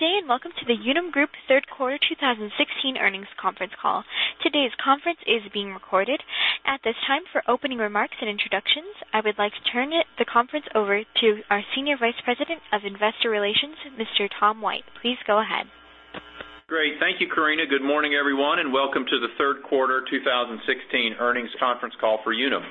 Good day, and welcome to the Unum Group third quarter 2016 earnings conference call. Today's conference is being recorded. At this time, for opening remarks and introductions, I would like to turn the conference over to our Senior Vice President of Investor Relations, Mr. Tom White. Please go ahead. Great. Thank you, Karina. Good morning, everyone, and welcome to the third quarter 2016 earnings conference call for Unum.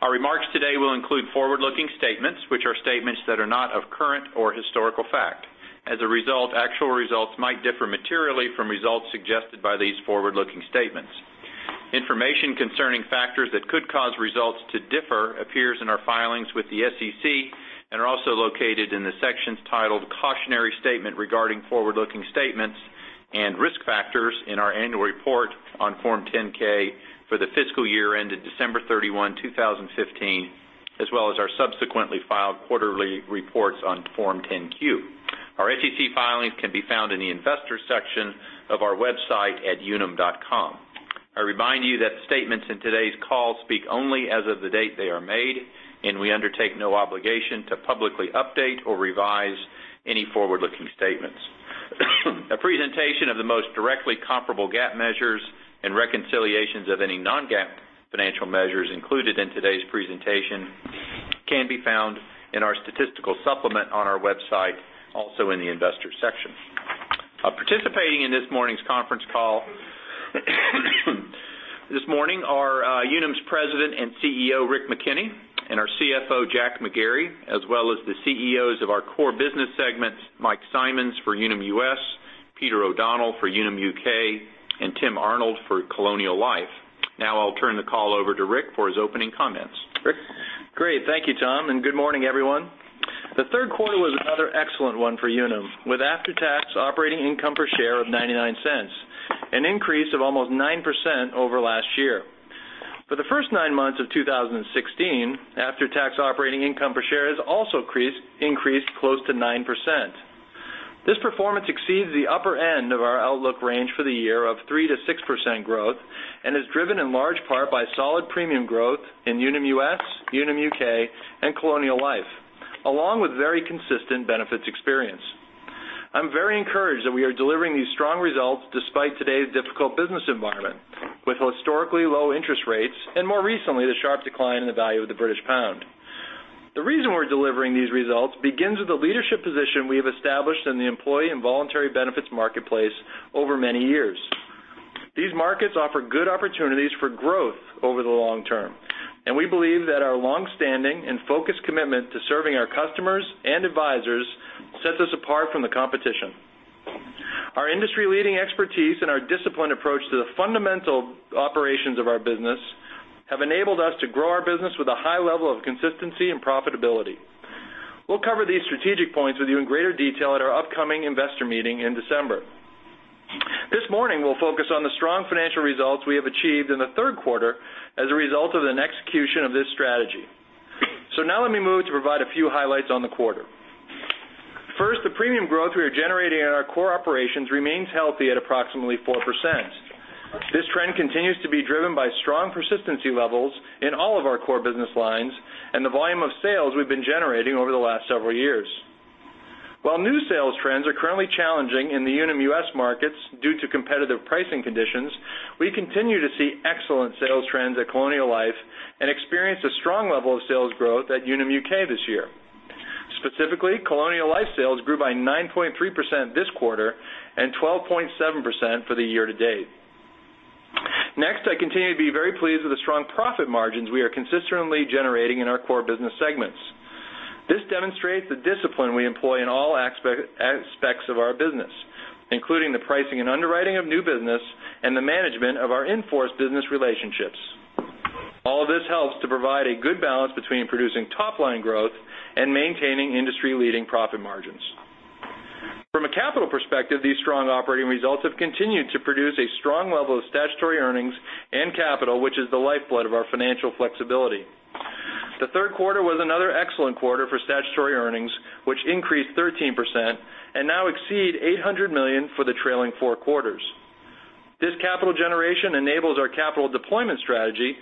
Our remarks today will include forward-looking statements, which are statements that are not of current or historical fact. As a result, actual results might differ materially from results suggested by these forward-looking statements. Information concerning factors that could cause results to differ appears in our filings with the SEC and are also located in the sections titled Cautionary Statement Regarding Forward-Looking Statements and Risk Factors in our annual report on Form 10-K for the fiscal year ended December 31, 2015, as well as our subsequently filed quarterly reports on Form 10-Q. Our SEC filings can be found in the Investors section of our website at unum.com. I remind you that statements in today's call speak only as of the date they are made, and we undertake no obligation to publicly update or revise any forward-looking statements. A presentation of the most directly comparable GAAP measures and reconciliations of any non-GAAP financial measures included in today's presentation can be found in our statistical supplement on our website, also in the Investors section. Participating in this morning's conference call this morning are Unum's President and CEO, Rick McKenney, and our CFO, Jack McGarry, as well as the CEOs of our core business segments, Mike Simonds for Unum US, Peter O'Donnell for Unum UK, and Tim Arnold for Colonial Life. Now I'll turn the call over to Rick for his opening comments. Rick? Great. Thank you, Tom, and good morning, everyone. The third quarter was another excellent one for Unum, with after-tax operating income per share of $0.99, an increase of almost 9% over last year. For the first nine months of 2016, after-tax operating income per share has also increased close to 9%. This performance exceeds the upper end of our outlook range for the year of 3%-6% growth and is driven in large part by solid premium growth in Unum US, Unum UK, and Colonial Life, along with very consistent benefits experience. I'm very encouraged that we are delivering these strong results despite today's difficult business environment, with historically low interest rates and, more recently, the sharp decline in the value of the British pound. The reason we're delivering these results begins with the leadership position we have established in the employee and voluntary benefits marketplace over many years. These markets offer good opportunities for growth over the long term, and we believe that our longstanding and focused commitment to serving our customers and advisors sets us apart from the competition. Our industry-leading expertise and our disciplined approach to the fundamental operations of our business have enabled us to grow our business with a high level of consistency and profitability. We'll cover these strategic points with you in greater detail at our upcoming investor meeting in December. This morning, we'll focus on the strong financial results we have achieved in the third quarter as a result of an execution of this strategy. Now let me move to provide a few highlights on the quarter. First, the premium growth we are generating in our core operations remains healthy at approximately 4%. This trend continues to be driven by strong persistency levels in all of our core business lines and the volume of sales we've been generating over the last several years. While new sales trends are currently challenging in the Unum US markets due to competitive pricing conditions, we continue to see excellent sales trends at Colonial Life and experienced a strong level of sales growth at Unum UK this year. Specifically, Colonial Life sales grew by 9.3% this quarter and 12.7% for the year to date. Next, I continue to be very pleased with the strong profit margins we are consistently generating in our core business segments. This demonstrates the discipline we employ in all aspects of our business, including the pricing and underwriting of new business and the management of our in-force business relationships. All this helps to provide a good balance between producing top-line growth and maintaining industry-leading profit margins. From a capital perspective, these strong operating results have continued to produce a strong level of statutory earnings and capital, which is the lifeblood of our financial flexibility. The third quarter was another excellent quarter for statutory earnings, which increased 13% and now exceed $800 million for the trailing four quarters. This capital generation enables our capital deployment strategy,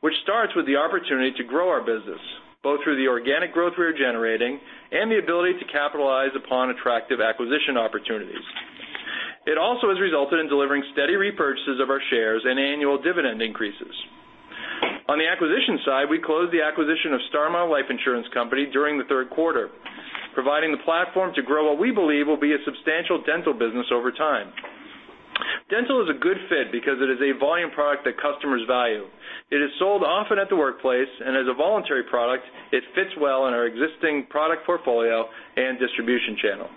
which starts with the opportunity to grow our business, both through the organic growth we are generating and the ability to capitalize upon attractive acquisition opportunities. It also has resulted in delivering steady repurchases of our shares and annual dividend increases. On the acquisition side, we closed the acquisition of Starmount Life Insurance Company during the third quarter, providing the platform to grow what we believe will be a substantial dental business over time. Dental is a good fit because it is a volume product that customers value. It is sold often at the workplace and, as a voluntary product, it fits well in our existing product portfolio and distribution channel.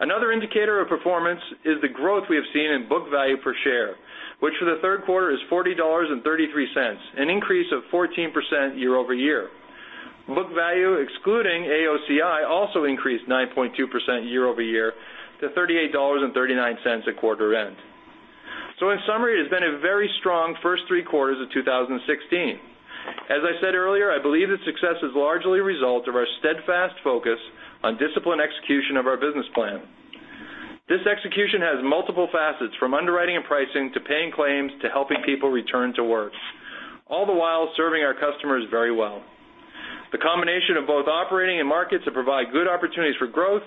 Another indicator of performance is the growth we have seen in book value per share, which for the third quarter is $40.33, an increase of 14% year-over-year. Book value, excluding AOCI, also increased 9.2% year-over-year to $38.39 at quarter end. In summary, it has been a very strong first three quarters of 2016. As I said earlier, I believe the success is largely a result of our steadfast focus on disciplined execution of our business plan. This execution has multiple facets, from underwriting and pricing to paying claims to helping people return to work, all the while serving our customers very well. The combination of both operating and markets that provide good opportunities for growth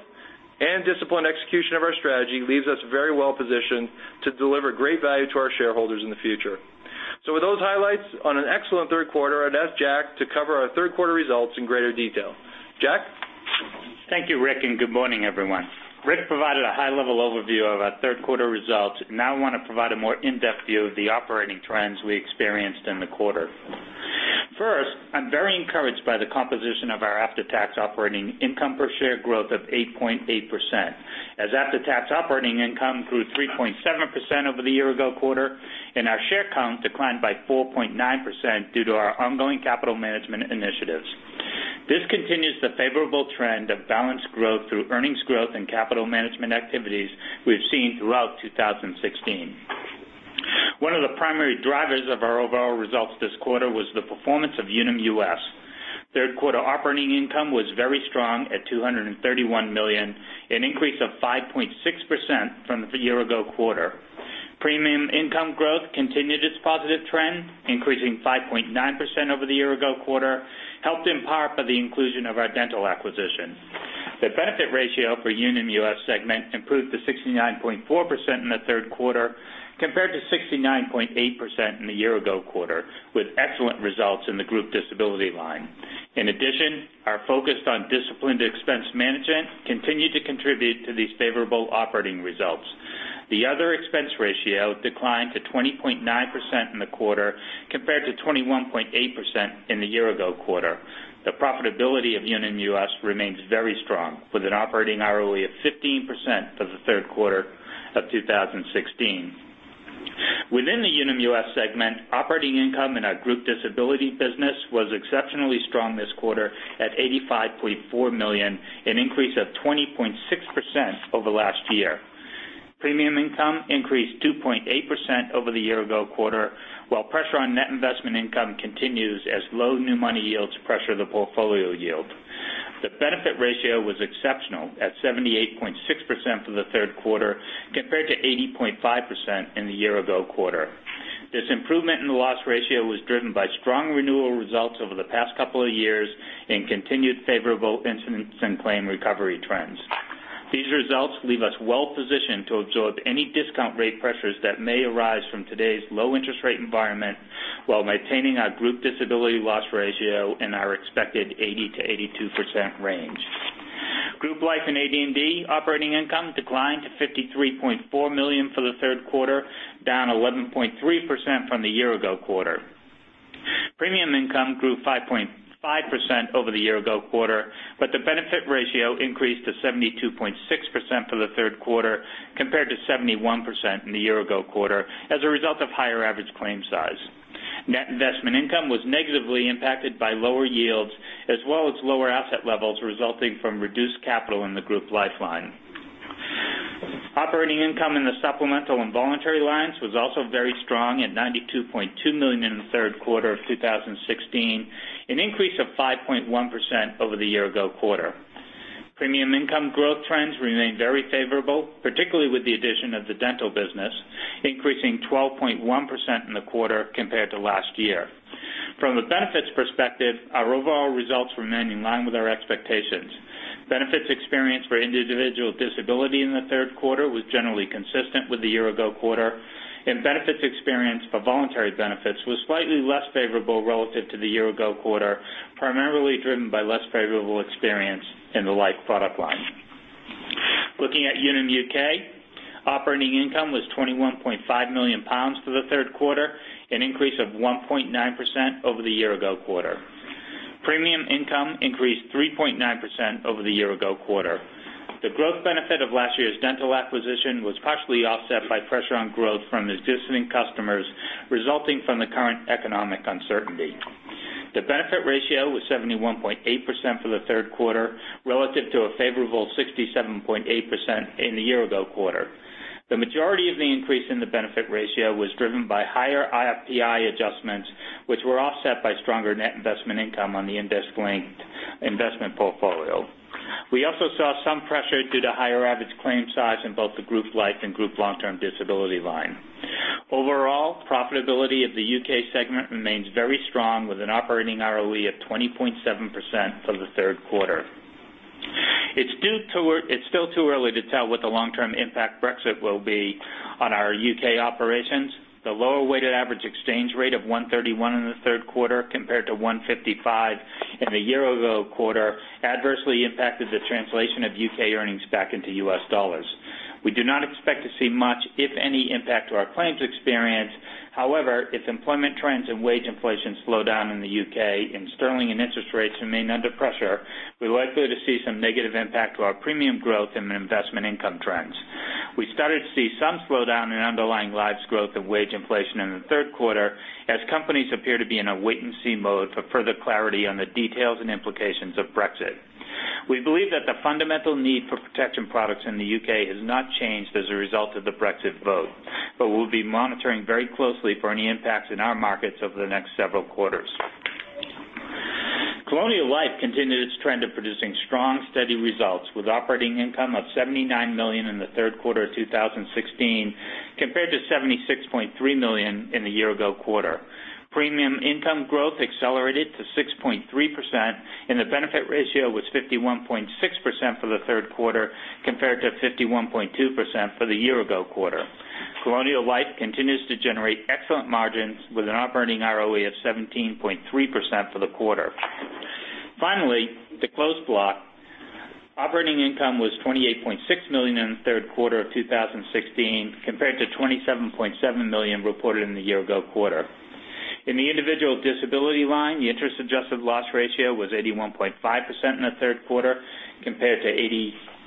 and disciplined execution of our strategy leaves us very well positioned to deliver great value to our shareholders in the future. With those highlights on an excellent third quarter, I'd ask Jack to cover our third quarter results in greater detail. Jack? Thank you, Rick, and good morning, everyone. Rick provided a high-level overview of our third quarter results. Now I want to provide a more in-depth view of the operating trends we experienced in the quarter. First, I'm very encouraged by the composition of our after-tax operating income per share growth of 8.8%, as after-tax operating income grew 3.7% over the year-ago quarter and our share count declined by 4.9% due to our ongoing capital management initiatives. This continues the favorable trend of balanced growth through earnings growth and capital management activities we've seen throughout 2016. One of the primary drivers of our overall results this quarter was the performance of Unum US. Third quarter operating income was very strong at $231 million, an increase of 5.6% from the year-ago quarter. Premium income growth continued its positive trend, increasing 5.9% over the year-ago quarter, helped in part by the inclusion of our dental acquisition. The benefit ratio for Unum US segment improved to 69.4% in the third quarter, compared to 69.8% in the year-ago quarter, with excellent results in the group disability line. In addition, our focus on disciplined expense management continued to contribute to these favorable operating results. The other expense ratio declined to 20.9% in the quarter, compared to 21.8% in the year-ago quarter. The profitability of Unum US remains very strong, with an operating ROE of 15% for the third quarter of 2016. Within the Unum US segment, operating income in our group disability business was exceptionally strong this quarter at $85.4 million, an increase of 20.6% over last year. Premium income increased 2.8% over the year-ago quarter, while pressure on net investment income continues as low new money yields pressure the portfolio yield. The benefit ratio was exceptional at 78.6% for the third quarter, compared to 80.5% in the year-ago quarter. This improvement in the loss ratio was driven by strong renewal results over the past couple of years and continued favorable incidence and claim recovery trends. These results leave us well-positioned to absorb any discount rate pressures that may arise from today's low interest rate environment while maintaining our group disability loss ratio in our expected 80%-82% range. Group Life and AD&D operating income declined to $53.4 million for the third quarter, down 11.3% from the year-ago quarter. Premium income grew 5.5% over the year-ago quarter. The benefit ratio increased to 72.6% for the third quarter, compared to 71% in the year-ago quarter as a result of higher average claim size. Net investment income was negatively impacted by lower yields as well as lower asset levels resulting from reduced capital in the Group Life line. Operating income in the supplemental and voluntary lines was also very strong at $92.2 million in the third quarter of 2016, an increase of 5.1% over the year-ago quarter. Premium income growth trends remained very favorable, particularly with the addition of the dental business, increasing 12.1% in the quarter compared to last year. From a benefits perspective, our overall results remained in line with our expectations. Benefits experienced for individual disability in the third quarter was generally consistent with the year-ago quarter. Benefits experienced for voluntary benefits was slightly less favorable relative to the year-ago quarter, primarily driven by less favorable experience in the life product line. Looking at Unum UK, operating income was £21.5 million for the third quarter, an increase of 1.9% over the year-ago quarter. Premium income increased 3.9% over the year-ago quarter. The growth benefit of last year's dental acquisition was partially offset by pressure on growth from existing customers resulting from the current economic uncertainty. The benefit ratio was 71.8% for the third quarter, relative to a favorable 67.8% in the year-ago quarter. The majority of the increase in the benefit ratio was driven by higher IBNR adjustments, which were offset by stronger net investment income on the index-linked investment portfolio. We also saw some pressure due to higher average claim size in both the Group Life and Group Long-Term Disability line. Overall, profitability of the U.K. segment remains very strong, with an operating ROE of 20.7% for the third quarter. It's still too early to tell what the long-term impact Brexit will be on our U.K. operations. The lower weighted average exchange rate of 131 in the third quarter compared to 155 in the year-ago quarter adversely impacted the translation of U.K. earnings back into US dollars. We do not expect to see much, if any, impact to our claims experience. However, if employment trends and wage inflation slow down in the U.K. and sterling and interest rates remain under pressure, we're likely to see some negative impact to our premium growth and investment income trends. We started to see some slowdown in underlying lives growth and wage inflation in the third quarter as companies appear to be in a wait-and-see mode for further clarity on the details and implications of Brexit. We believe that the fundamental need for protection products in the U.K. has not changed as a result of the Brexit vote. We'll be monitoring very closely for any impacts in our markets over the next several quarters. Colonial Life continued its trend of producing strong, steady results with operating income of $79 million in the third quarter of 2016, compared to $76.3 million in the year-ago quarter. Premium income growth accelerated to 6.3%. The benefit ratio was 51.6% for the third quarter, compared to 51.2% for the year-ago quarter. Colonial Life continues to generate excellent margins with an operating ROE of 17.3% for the quarter. Finally, the closed block. Operating income was $28.6 million in the third quarter of 2016, compared to $27.7 million reported in the year-ago quarter. In the individual disability line, the interest-adjusted loss ratio was 81.5% in the third quarter compared to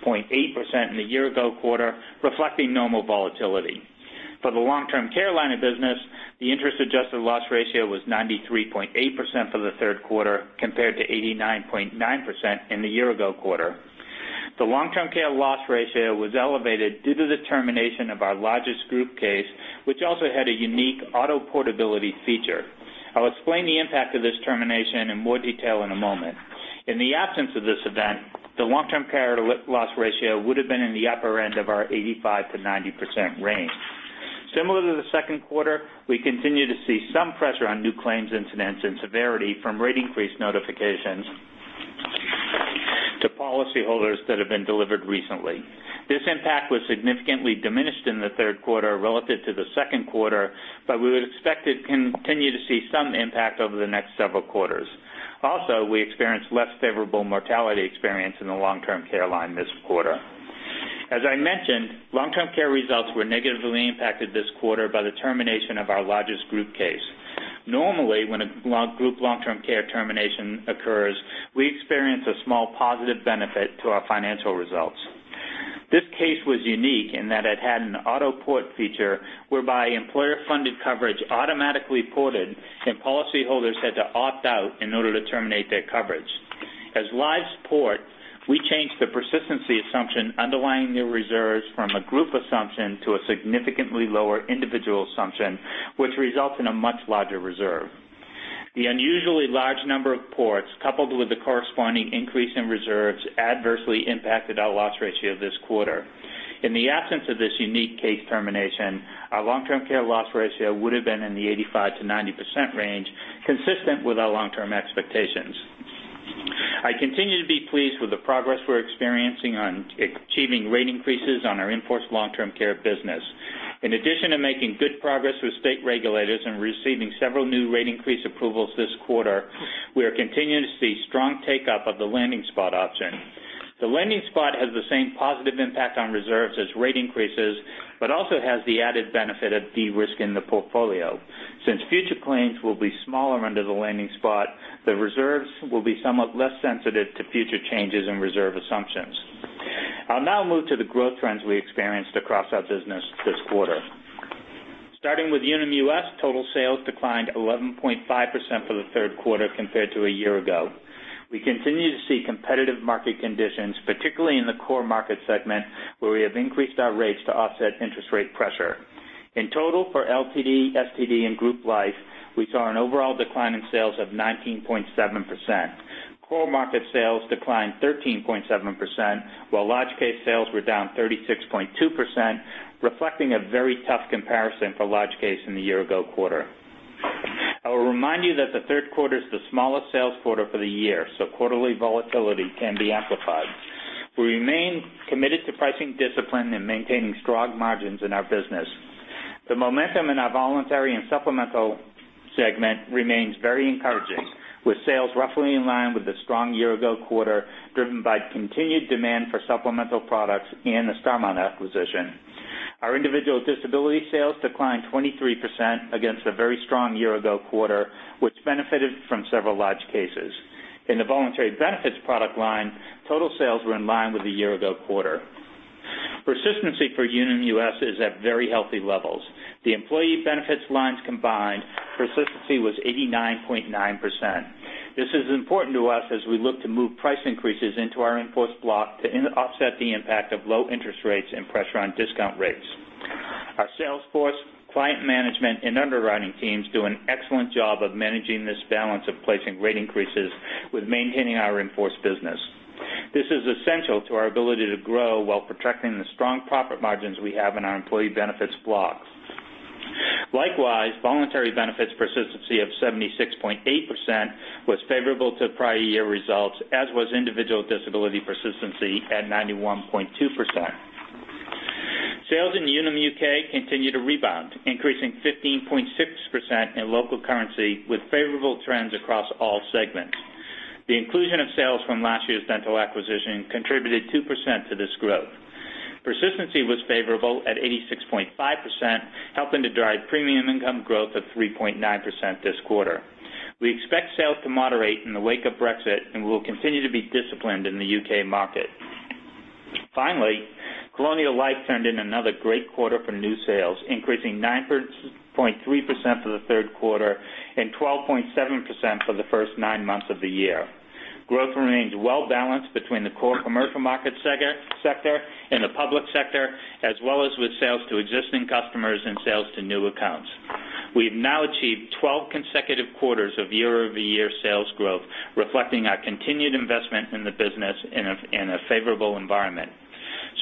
80.8% in the year-ago quarter, reflecting normal volatility. For the long-term care line of business, the interest-adjusted loss ratio was 93.8% for the third quarter, compared to 89.9% in the year-ago quarter. The long-term care loss ratio was elevated due to the termination of our largest group case, which also had a unique auto portability feature. I'll explain the impact of this termination in more detail in a moment. In the absence of this event, the long-term care loss ratio would have been in the upper end of our 85%-90% range. Similar to the second quarter, we continue to see some pressure on new claims incidents and severity from rate increase notifications to policyholders that have been delivered recently. This impact was significantly diminished in the third quarter relative to the second quarter, we would expect to continue to see some impact over the next several quarters. Also, we experienced less favorable mortality experience in the long-term care line this quarter. As I mentioned, long-term care results were negatively impacted this quarter by the termination of our largest group case. Normally, when a group long-term care termination occurs, we experience a small positive benefit to our financial results. This case was unique in that it had an auto port feature whereby employer-funded coverage automatically ported and policyholders had to opt out in order to terminate their coverage. As lives port, we changed the persistency assumption underlying new reserves from a group assumption to a significantly lower individual assumption, which results in a much larger reserve. The unusually large number of ports, coupled with the corresponding increase in reserves, adversely impacted our loss ratio this quarter. In the absence of this unique case termination, our long-term care loss ratio would have been in the 85%-90% range, consistent with our long-term expectations. I continue to be pleased with the progress we're experiencing on achieving rate increases on our in-force long-term care business. In addition to making good progress with state regulators and receiving several new rate increase approvals this quarter, we are continuing to see strong take-up of the landing spot option. The landing spot has the same positive impact on reserves as rate increases, also has the added benefit of de-risking the portfolio. Since future claims will be smaller under the landing spot, the reserves will be somewhat less sensitive to future changes in reserve assumptions. I'll now move to the growth trends we experienced across our business this quarter. Starting with Unum US, total sales declined 11.5% for the third quarter compared to a year ago. We continue to see competitive market conditions, particularly in the core market segment, where we have increased our rates to offset interest rate pressure. In total, for LTD, STD, and group life, we saw an overall decline in sales of 19.7%. Core market sales declined 13.7%, while large case sales were down 36.2%, reflecting a very tough comparison for large case in the year-ago quarter. I will remind you that the third quarter is the smallest sales quarter for the year, quarterly volatility can be amplified. We remain committed to pricing discipline and maintaining strong margins in our business. The momentum in our voluntary and supplemental segment remains very encouraging, with sales roughly in line with the strong year-ago quarter, driven by continued demand for supplemental products and the Starmount acquisition. Our individual disability sales declined 23% against a very strong year-ago quarter, which benefited from several large cases. In the voluntary benefits product line, total sales were in line with the year-ago quarter. Persistency for Unum US is at very healthy levels. The employee benefits lines combined, persistency was 89.9%. This is important to us as we look to move price increases into our in-force block to offset the impact of low interest rates and pressure on discount rates. Our sales force, client management, and underwriting teams do an excellent job of managing this balance of placing rate increases with maintaining our in-force business. This is essential to our ability to grow while protecting the strong profit margins we have in our employee benefits blocks. Likewise, voluntary benefits persistency of 76.8% was favorable to prior year results, as was individual disability persistency at 91.2%. Sales in Unum UK continue to rebound, increasing 15.6% in local currency with favorable trends across all segments. The inclusion of sales from last year's dental acquisition contributed 2% to this growth. Persistency was favorable at 86.5%, helping to drive premium income growth of 3.9% this quarter. We expect sales to moderate in the wake of Brexit and will continue to be disciplined in the U.K. market. Finally, Colonial Life turned in another great quarter for new sales, increasing 9.3% for the third quarter and 12.7% for the first nine months of the year. Growth remains well-balanced between the core commercial market sector and the public sector, as well as with sales to existing customers and sales to new accounts. We've now achieved 12 consecutive quarters of year-over-year sales growth, reflecting our continued investment in the business in a favorable environment.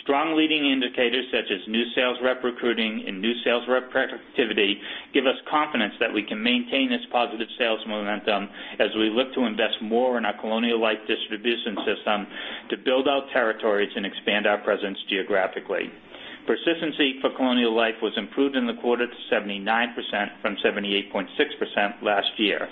Strong leading indicators such as new sales rep recruiting and new sales rep productivity give us confidence that we can maintain this positive sales momentum as we look to invest more in our Colonial Life distribution system to build out territories and expand our presence geographically. Persistency for Colonial Life was improved in the quarter to 79% from 78.6% last year.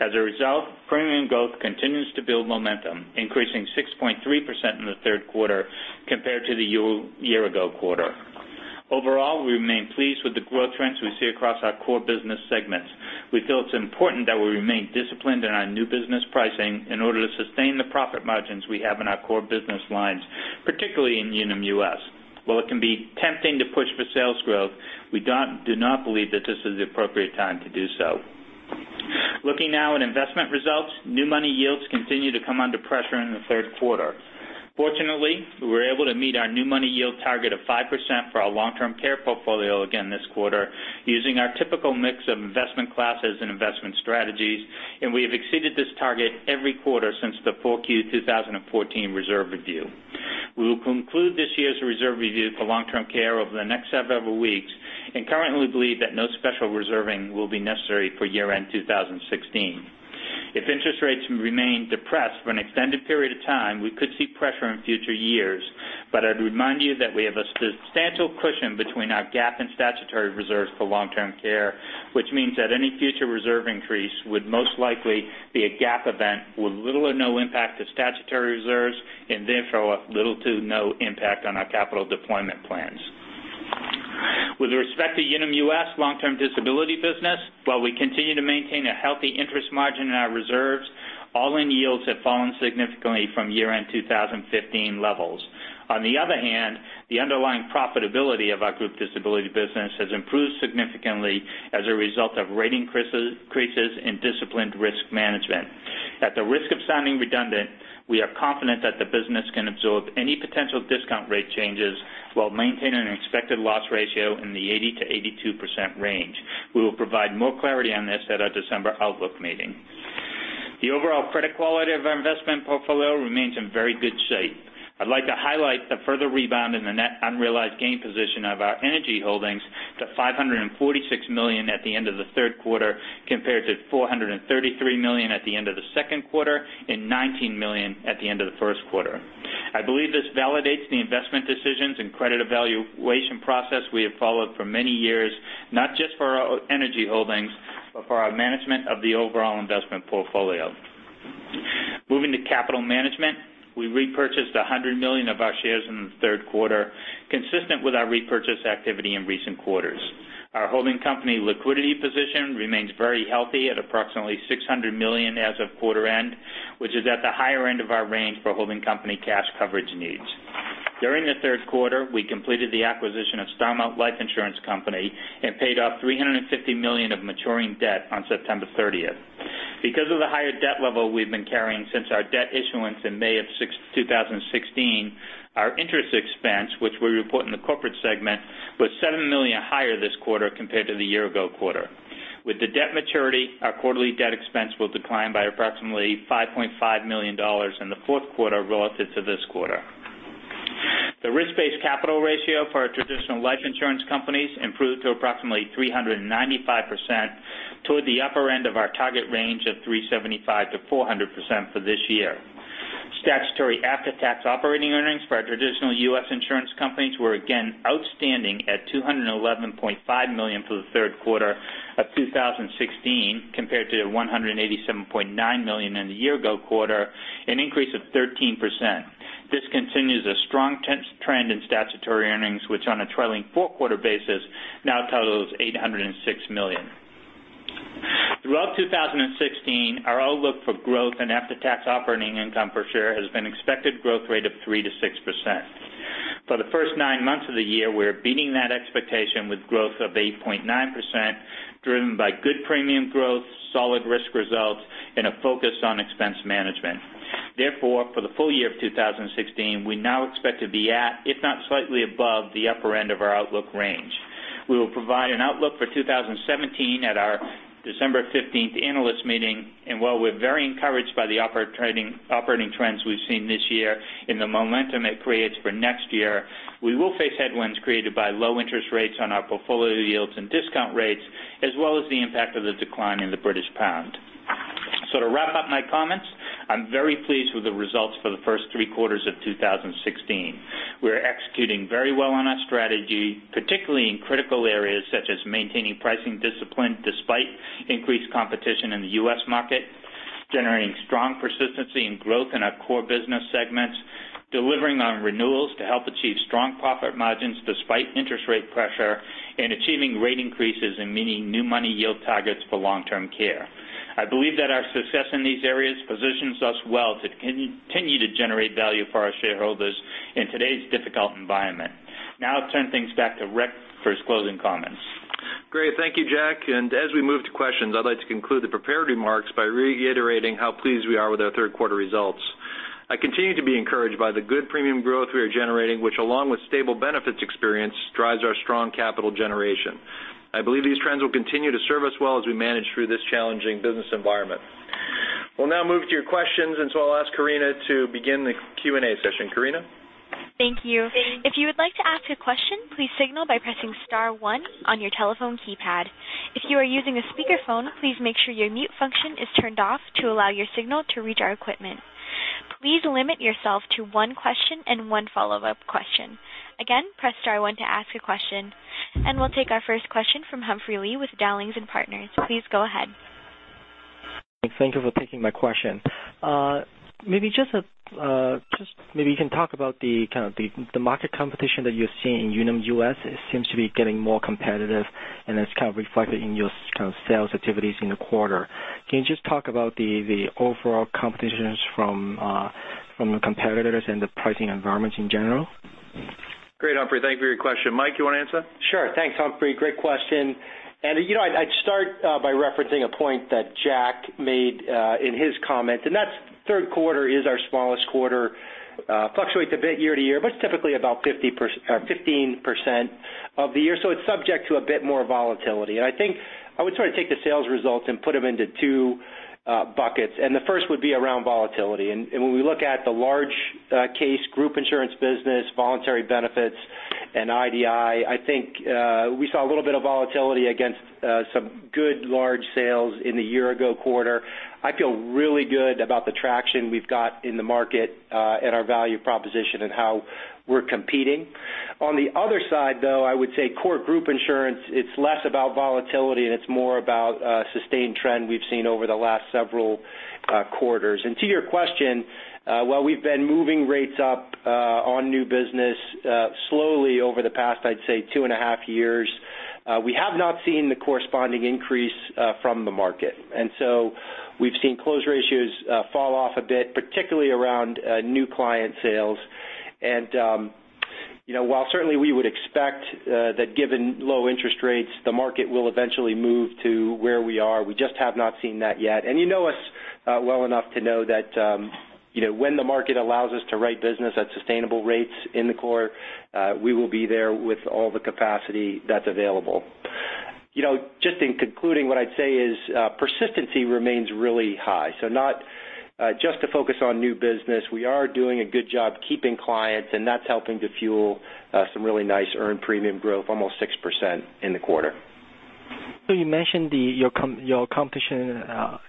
As a result, premium growth continues to build momentum, increasing 6.3% in the third quarter compared to the year-ago quarter. Overall, we remain pleased with the growth trends we see across our core business segments. We feel it's important that we remain disciplined in our new business pricing in order to sustain the profit margins we have in our core business lines, particularly in Unum US. While it can be tempting to push for sales growth, we do not believe that this is the appropriate time to do so. Looking now at investment results, new money yields continue to come under pressure in the third quarter. Fortunately, we were able to meet our new money yield target of 5% for our long-term care portfolio again this quarter using our typical mix of investment classes and investment strategies, and we have exceeded this target every quarter since the 4Q 2014 reserve review. We will conclude this year's reserve review for long-term care over the next several weeks and currently believe that no special reserving will be necessary for year-end 2016. If interest rates remain depressed for an extended period of time, we could see pressure in future years. I'd remind you that we have a substantial cushion between our GAAP and statutory reserves for long-term care, which means that any future reserve increase would most likely be a GAAP event with little or no impact to statutory reserves, and therefore, little to no impact on our capital deployment plans. With respect to Unum US long-term disability business, while we continue to maintain a healthy interest margin in our reserves, all-in yields have fallen significantly from year-end 2015 levels. The underlying profitability of our group disability business has improved significantly as a result of rating increases in disciplined risk management. At the risk of sounding redundant, we are confident that the business can absorb any potential discount rate changes while maintaining an expected loss ratio in the 80%-82% range. We will provide more clarity on this at our December Outlook Meeting. The overall credit quality of our investment portfolio remains in very good shape. I'd like to highlight the further rebound in the net unrealized gain position of our energy holdings to $546 million at the end of the third quarter, compared to $433 million at the end of the second quarter and $19 million at the end of the first quarter. I believe this validates the investment decisions and credit evaluation process we have followed for many years, not just for our energy holdings, but for our management of the overall investment portfolio. Moving to capital management, we repurchased $100 million of our shares in the third quarter, consistent with our repurchase activity in recent quarters. Our holding company liquidity position remains very healthy at approximately $600 million as of quarter end, which is at the higher end of our range for holding company cash coverage needs. During the third quarter, we completed the acquisition of Starmount Life Insurance Company and paid off $350 million of maturing debt on September 30th. Because of the higher debt level we've been carrying since our debt issuance in May of 2016, our interest expense, which we report in the corporate segment, was $7 million higher this quarter compared to the year ago quarter. With the debt maturity, our quarterly debt expense will decline by approximately $5.5 million in the fourth quarter relative to this quarter. The risk-based capital ratio for our traditional life insurance companies improved to approximately 395% toward the upper end of our target range of 375%-400% for this year. Statutory after-tax operating earnings for our traditional U.S. insurance companies were again outstanding at $211.5 million for the third quarter of 2016 compared to the $187.9 million in the year ago quarter, an increase of 13%. This continues a strong trend in statutory earnings, which on a trailing four-quarter basis now totals $806 million. Throughout 2016, our outlook for growth and after-tax operating income per share has been expected growth rate of 3%-6%. For the first nine months of the year, we are beating that expectation with growth of 8.9%, driven by good premium growth, solid risk results, and a focus on expense management. For the full year of 2016, we now expect to be at, if not slightly above, the upper end of our outlook range. We will provide an outlook for 2017 at our December 15th analyst meeting, while we're very encouraged by the operating trends we've seen this year and the momentum it creates for next year, we will face headwinds created by low interest rates on our portfolio yields and discount rates, as well as the impact of the decline in the British pound. To wrap up my comments, I'm very pleased with the results for the first three quarters of 2016. We are executing very well on our strategy, particularly in critical areas such as maintaining pricing discipline despite increased competition in the U.S. market, generating strong persistency and growth in our core business segments, delivering on renewals to help achieve strong profit margins despite interest rate pressure, and achieving rate increases and meeting new money yield targets for long-term care. I believe that our success in these areas positions us well to continue to generate value for our shareholders in today's difficult environment. I'll turn things back to Rick for his closing comments. Great. Thank you, Jack. As we move to questions, I'd like to conclude the prepared remarks by reiterating how pleased we are with our third quarter results. I continue to be encouraged by the good premium growth we are generating, which along with stable benefits experience, drives our strong capital generation. I believe these trends will continue to serve us well as we manage through this challenging business environment. We'll now move to your questions, I'll ask Karina to begin the Q&A session. Karina? Thank you. If you would like to ask a question, please signal by pressing star one on your telephone keypad. If you are using a speakerphone, please make sure your mute function is turned off to allow your signal to reach our equipment. Please limit yourself to one question and one follow-up question. Again, press star one to ask a question. We'll take our first question from Humphrey Lee with Dowling & Partners. Please go ahead. Thank you for taking my question. Maybe you can talk about the market competition that you're seeing. Unum US seems to be getting more competitive, and it's kind of reflected in your sales activities in the quarter. Can you just talk about the overall competitions from the competitors and the pricing environments in general? Great, Humphrey. Thank you for your question. Mike, you want to answer? Sure. Thanks, Humphrey. Great question. I'd start by referencing a point that Jack made in his comments, that's third quarter is our smallest quarter. Fluctuates a bit year-to-year, but it's typically about 15% of the year, so it's subject to a bit more volatility. I think I would sort of take the sales results and put them into two buckets, and the first would be around volatility. When we look at the large case group insurance business, voluntary benefits, and IDI, I think we saw a little bit of volatility against some good large sales in the year-ago quarter. I feel really good about the traction we've got in the market and our value proposition and how we're competing. On the other side, though, I would say core group insurance, it's less about volatility, and it's more about a sustained trend we've seen over the last several quarters. To your question, while we've been moving rates up on new business slowly over the past, I'd say two and a half years, we have not seen the corresponding increase from the market. We've seen close ratios fall off a bit, particularly around new client sales. While certainly we would expect that given low interest rates, the market will eventually move to where we are, we just have not seen that yet. You know us well enough to know that when the market allows us to write business at sustainable rates in the core, we will be there with all the capacity that's available. Just in concluding, what I'd say is persistency remains really high. Not just to focus on new business. We are doing a good job keeping clients, and that's helping to fuel some really nice earned premium growth, almost 6% in the quarter. You mentioned your competition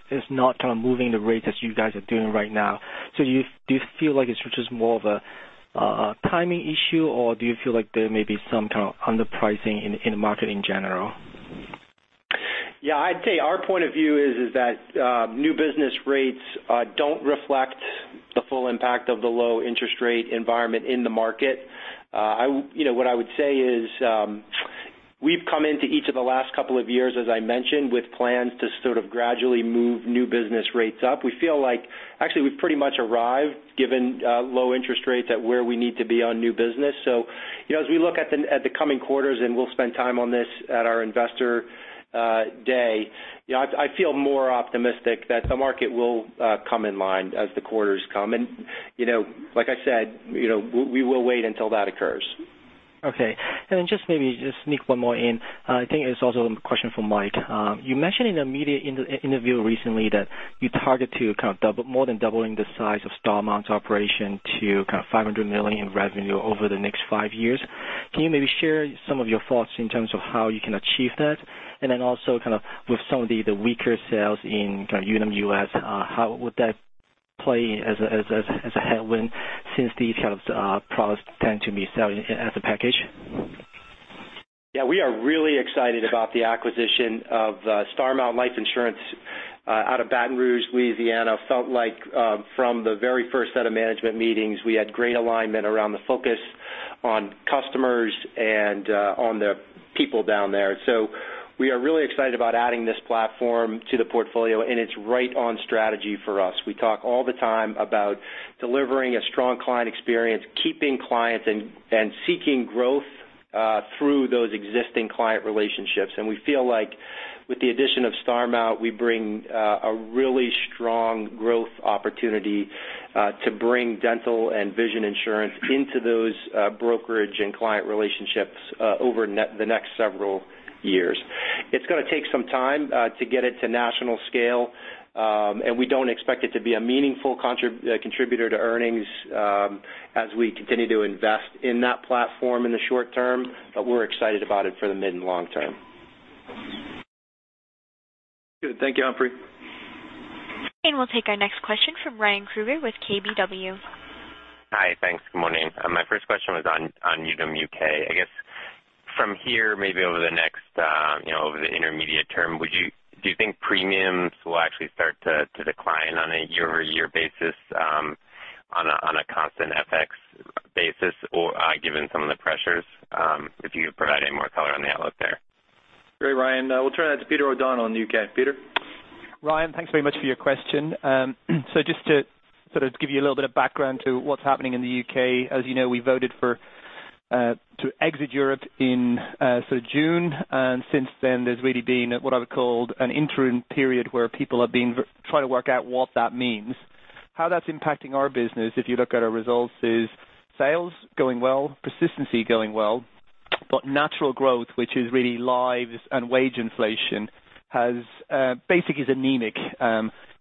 is not kind of moving the rates as you guys are doing right now. Do you feel like it's just more of a timing issue, or do you feel like there may be some kind of underpricing in the market in general? Yeah, I'd say our point of view is that new business rates don't reflect the full impact of the low interest rate environment in the market. What I would say is we've come into each of the last couple of years, as I mentioned, with plans to sort of gradually move new business rates up. We feel like actually we've pretty much arrived, given low interest rates at where we need to be on new business. As we look at the coming quarters and we'll spend time on this at our Investor Day, I feel more optimistic that the market will come in line as the quarters come. Like I said, we will wait until that occurs. Okay. Just maybe just sneak one more in. I think it's also a question for Mike. You mentioned in a media interview recently that you target to more than doubling the size of Starmount's operation to kind of $500 million in revenue over the next five years. Can you maybe share some of your thoughts in terms of how you can achieve that? Also kind of with some of the weaker sales in Unum US, how would that play as a headwind since these kind of products tend to be selling as a package? Yeah, we are really excited about the acquisition of Starmount Life Insurance out of Baton Rouge, Louisiana. Felt like from the very first set of management meetings, we had great alignment around the focus on customers and on the people down there. We are really excited about adding this platform to the portfolio, and it's right on strategy for us. We talk all the time about delivering a strong client experience, keeping clients, and seeking growth through those existing client relationships. We feel like with the addition of Starmount, we bring a really strong growth opportunity to bring dental and vision insurance into those brokerage and client relationships over the next several years. It's going to take some time to get it to national scale, we don't expect it to be a meaningful contributor to earnings as we continue to invest in that platform in the short term, we're excited about it for the mid and long term. Good. Thank you, Humphrey. We'll take our next question from Ryan Krueger with KBW. Hi. Thanks. Good morning. My first question was on Unum UK. I guess from here, maybe over the intermediate term, do you think premiums will actually start to decline on a year-over-year basis on a constant FX basis? Given some of the pressures, if you could provide any more color on the outlook there. Great, Ryan. We'll turn that to Peter O'Donnell in the U.K. Peter? Ryan, thanks very much for your question. Just to sort of give you a little bit of background to what's happening in the U.K. As you know, we voted to exit Europe in June, since then, there's really been what I would call an interim period where people are trying to work out what that means. How that's impacting our business, if you look at our results, is sales going well, persistency going well. Natural growth, which is really lives and wage inflation, basically is anemic.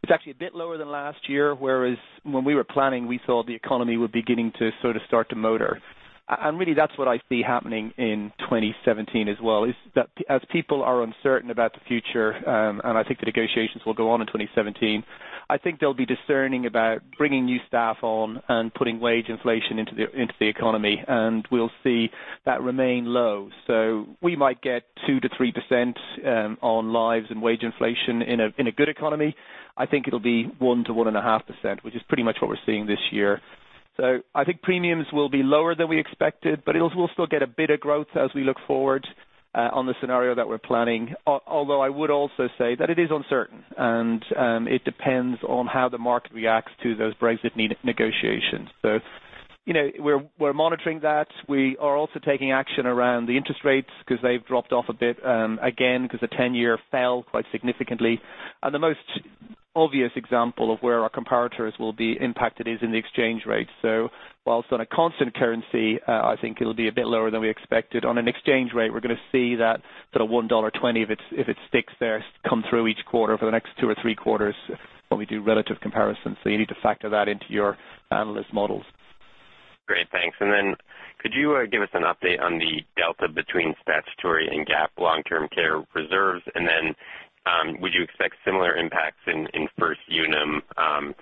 It's actually a bit lower than last year, whereas when we were planning, we thought the economy would be getting to start to motor. Really that's what I see happening in 2017 as well, is that as people are uncertain about the future, I think the negotiations will go on in 2017, I think they'll be discerning about bringing new staff on and putting wage inflation into the economy, we'll see that remain low. We might get 2%-3% on lives and wage inflation in a good economy. I think it'll be 1%-1.5%, which is pretty much what we're seeing this year. I think premiums will be lower than we expected, we'll still get a bit of growth as we look forward on the scenario that we're planning. Although I would also say that it is uncertain, it depends on how the market reacts to those Brexit negotiations. We're monitoring that. We are also taking action around the interest rates because they've dropped off a bit, again, because the 10-year fell quite significantly. The most obvious example of where our comparators will be impacted is in the exchange rate. Whilst on a constant currency, I think it will be a bit lower than we expected. On an exchange rate, we are going to see that sort of $1.20, if it sticks there, come through each quarter for the next two or three quarters when we do relative comparisons. You need to factor that into your analyst models. Great. Thanks. Could you give us an update on the delta between statutory and GAAP long-term care reserves? Would you expect similar impacts in First Unum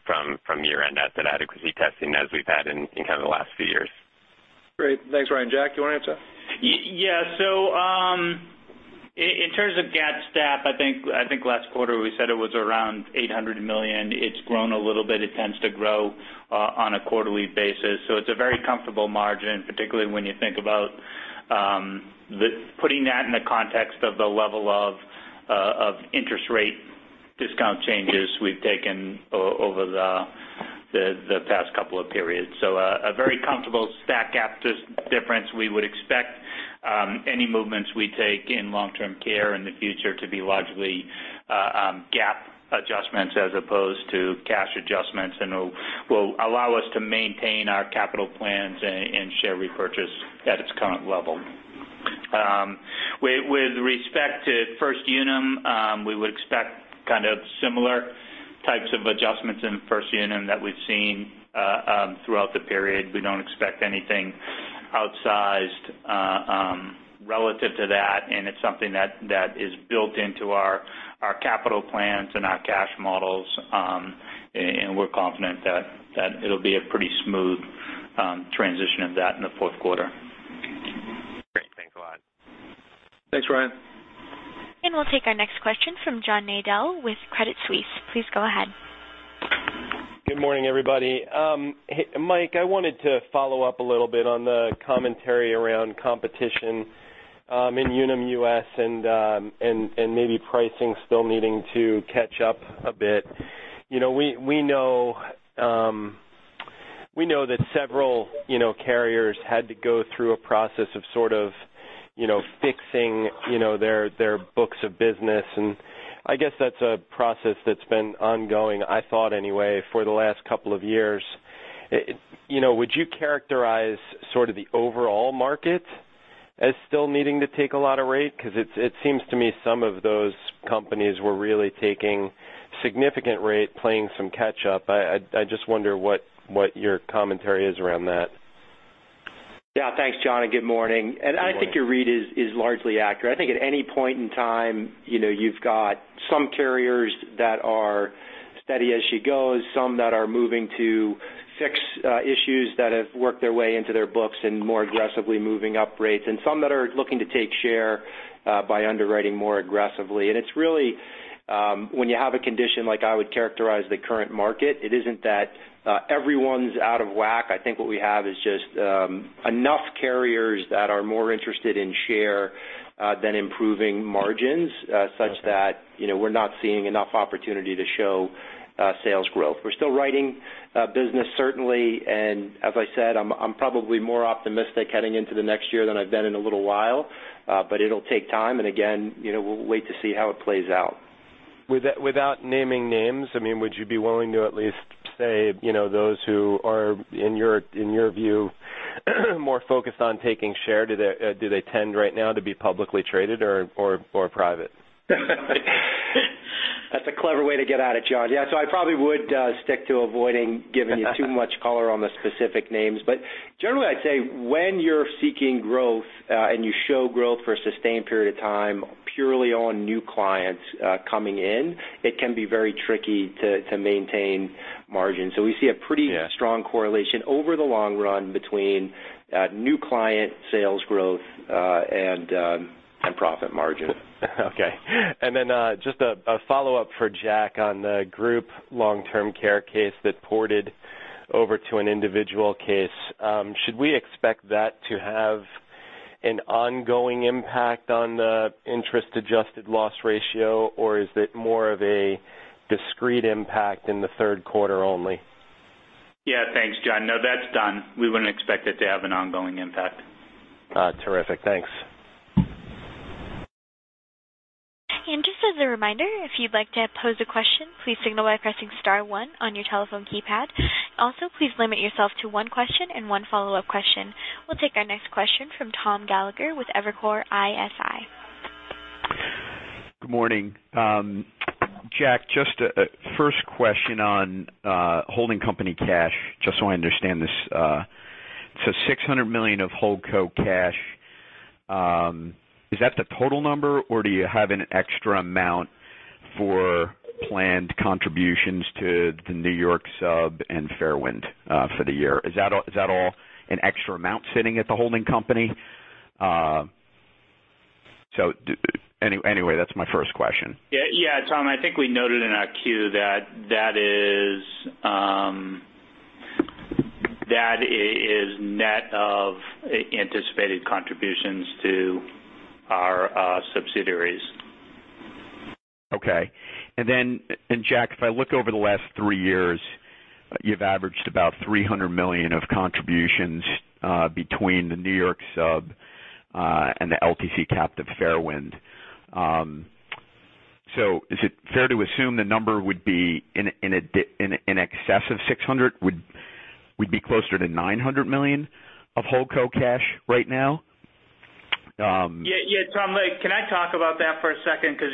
from year-end asset adequacy testing as we've had in the last few years? Great. Thanks, Ryan. Jack, you want to answer? Yes. In terms of GAAP/STAT, I think last quarter we said it was around $800 million. It's grown a little bit. It tends to grow on a quarterly basis. It's a very comfortable margin, particularly when you think about putting that in the context of the level of interest rate discount changes we've taken over the past couple of periods. A very comfortable STAT after difference. We would expect any movements we take in long-term care in the future to be largely GAAP adjustments as opposed to cash adjustments and will allow us to maintain our capital plans and share repurchase at its current level. With respect to First Unum, we would expect similar types of adjustments in First Unum that we've seen throughout the period. We don't expect anything outsized relative to that, and it's something that is built into our capital plans and our cash models. We're confident that it'll be a pretty smooth transition of that in the fourth quarter. Great. Thanks a lot. Thanks, Ryan. We'll take our next question from John Nadel with Credit Suisse. Please go ahead. Good morning, everybody. Mike, I wanted to follow up a little bit on the commentary around competition in Unum US and maybe pricing still needing to catch up a bit. We know that several carriers had to go through a process of sort of fixing their books of business, I guess that's a process that's been ongoing, I thought anyway, for the last couple of years. Would you characterize sort of the overall market as still needing to take a lot of rate? Because it seems to me some of those companies were really taking significant rate, playing some catch up. I just wonder what your commentary is around that. Yeah. Thanks, John. Good morning. Good morning. I think your read is largely accurate. I think at any point in time, you've got some carriers that are steady as she goes, some that are moving to fix issues that have worked their way into their books and more aggressively moving up rates, and some that are looking to take share by underwriting more aggressively. It's really when you have a condition like I would characterize the current market, it isn't that everyone's out of whack. I think what we have is just enough carriers that are more interested in share than improving margins such that we're not seeing enough opportunity to show sales growth. We're still writing business, certainly, and as I said, I'm probably more optimistic heading into the next year than I've been in a little while. It'll take time, and again, we'll wait to see how it plays out. Without naming names, would you be willing to at least say those who are, in your your view, more focused on taking share, do they tend right now to be publicly traded or private? That's a clever way to get at it, John. Yeah, I probably would stick to avoiding giving you too much color on the specific names. Generally, I'd say when you're seeking growth and you show growth for a sustained period of time purely on new clients coming in, it can be very tricky to maintain margin. We see a pretty strong correlation over the long run between new client sales growth and profit margin. Okay. Then just a follow-up for Jack on the group long-term care case that ported over to an individual case. Should we expect that to have an ongoing impact on the interest-adjusted loss ratio, or is it more of a discrete impact in the third quarter only? Yeah. Thanks, John. No, that's done. We wouldn't expect it to have an ongoing impact. Terrific. Thanks. Just as a reminder, if you'd like to pose a question, please signal by pressing star one on your telephone keypad. Please limit yourself to one question and one follow-up question. We'll take our next question from Thomas Gallagher with Evercore ISI. Good morning. Jack, just first question on holding company cash, just so I understand this. $600 million of Holdco cash. Is that the total number, or do you have an extra amount for planned contributions to the New York Sub and Fairwind for the year? Is that all an extra amount sitting at the holding company? Anyway, that's my first question. Yeah. Tom, I think we noted in our Q that is net of anticipated contributions to our subsidiaries. Okay. Jack, if I look over the last 3 years, you've averaged about $300 million of contributions, between the New York Sub, and the LTC captive Fairwind. Is it fair to assume the number would be in excess of 600 would be closer to $900 million of Holdco cash right now? Yeah, Tom, can I talk about that for a second? Sure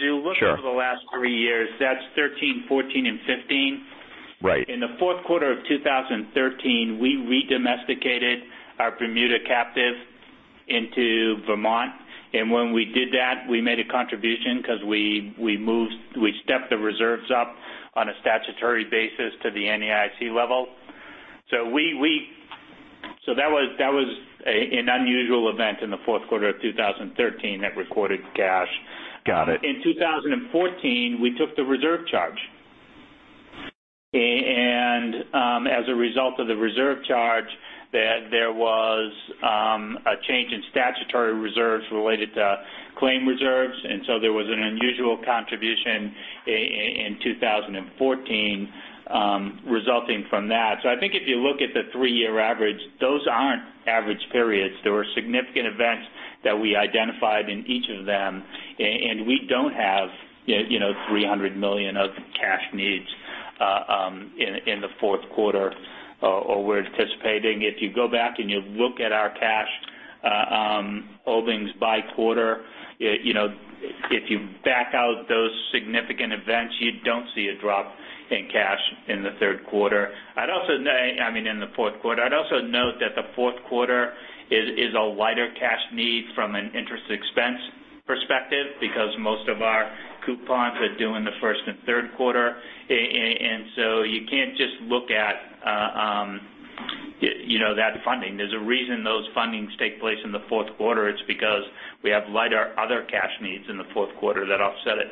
over the last 3 years, that's 2013, 2014, and 2015. Right. In the fourth quarter of 2013, we redomesticated our Bermuda captive into Vermont, and when we did that, we made a contribution because we stepped the reserves up on a statutory basis to the NAIC level. That was an unusual event in the fourth quarter of 2013 that recorded cash. Got it. In 2014, we took the reserve charge. As a result of the reserve charge, there was a change in statutory reserves related to claim reserves. There was an unusual contribution in 2014 resulting from that. I think if you look at the three-year average, those aren't average periods. There were significant events that we identified in each of them, and we don't have $300 million of cash needs in the fourth quarter or we're anticipating. If you go back and you look at our cash openings by quarter, if you back out those significant events, you don't see a drop in cash in the third quarter. I'd also note, I mean in the fourth quarter. I'd also note that the fourth quarter is a lighter cash need from an interest expense perspective because most of our coupons are due in the first and third quarter. You can't just look at that funding. There's a reason those fundings take place in the fourth quarter. It's because we have lighter other cash needs in the fourth quarter that offset it.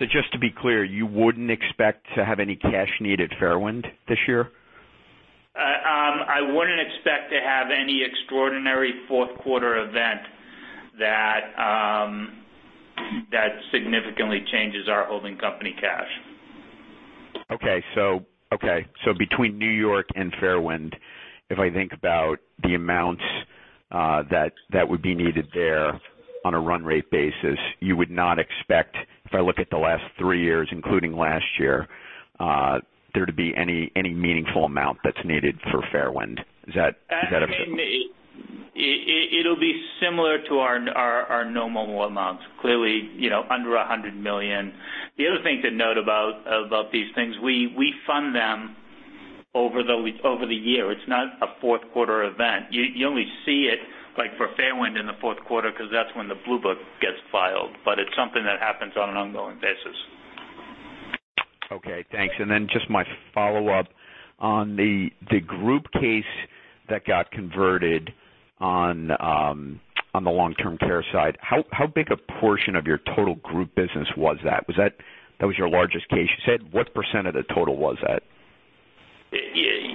Just to be clear, you wouldn't expect to have any cash need at Fairwind this year? I wouldn't expect to have any extraordinary fourth quarter event that significantly changes our holding company cash. Okay. Between New York and Fairwind, if I think about the amounts that would be needed there on a run rate basis, you would not expect, if I look at the last three years, including last year, there to be any meaningful amount that's needed for Fairwind. Is that? It'll be similar to our normal amounts, clearly under $100 million. The other thing to note about these things, we fund them over the year. It's not a fourth quarter event. You only see it like for Fairwind in the fourth quarter because that's when the Blue Book gets filed. It's something that happens on an ongoing basis. Okay, thanks. Just my follow-up on the group case that got converted on the long-term care side. How big a portion of your total group business was that? That was your largest case, you said. What % of the total was that? Yeah,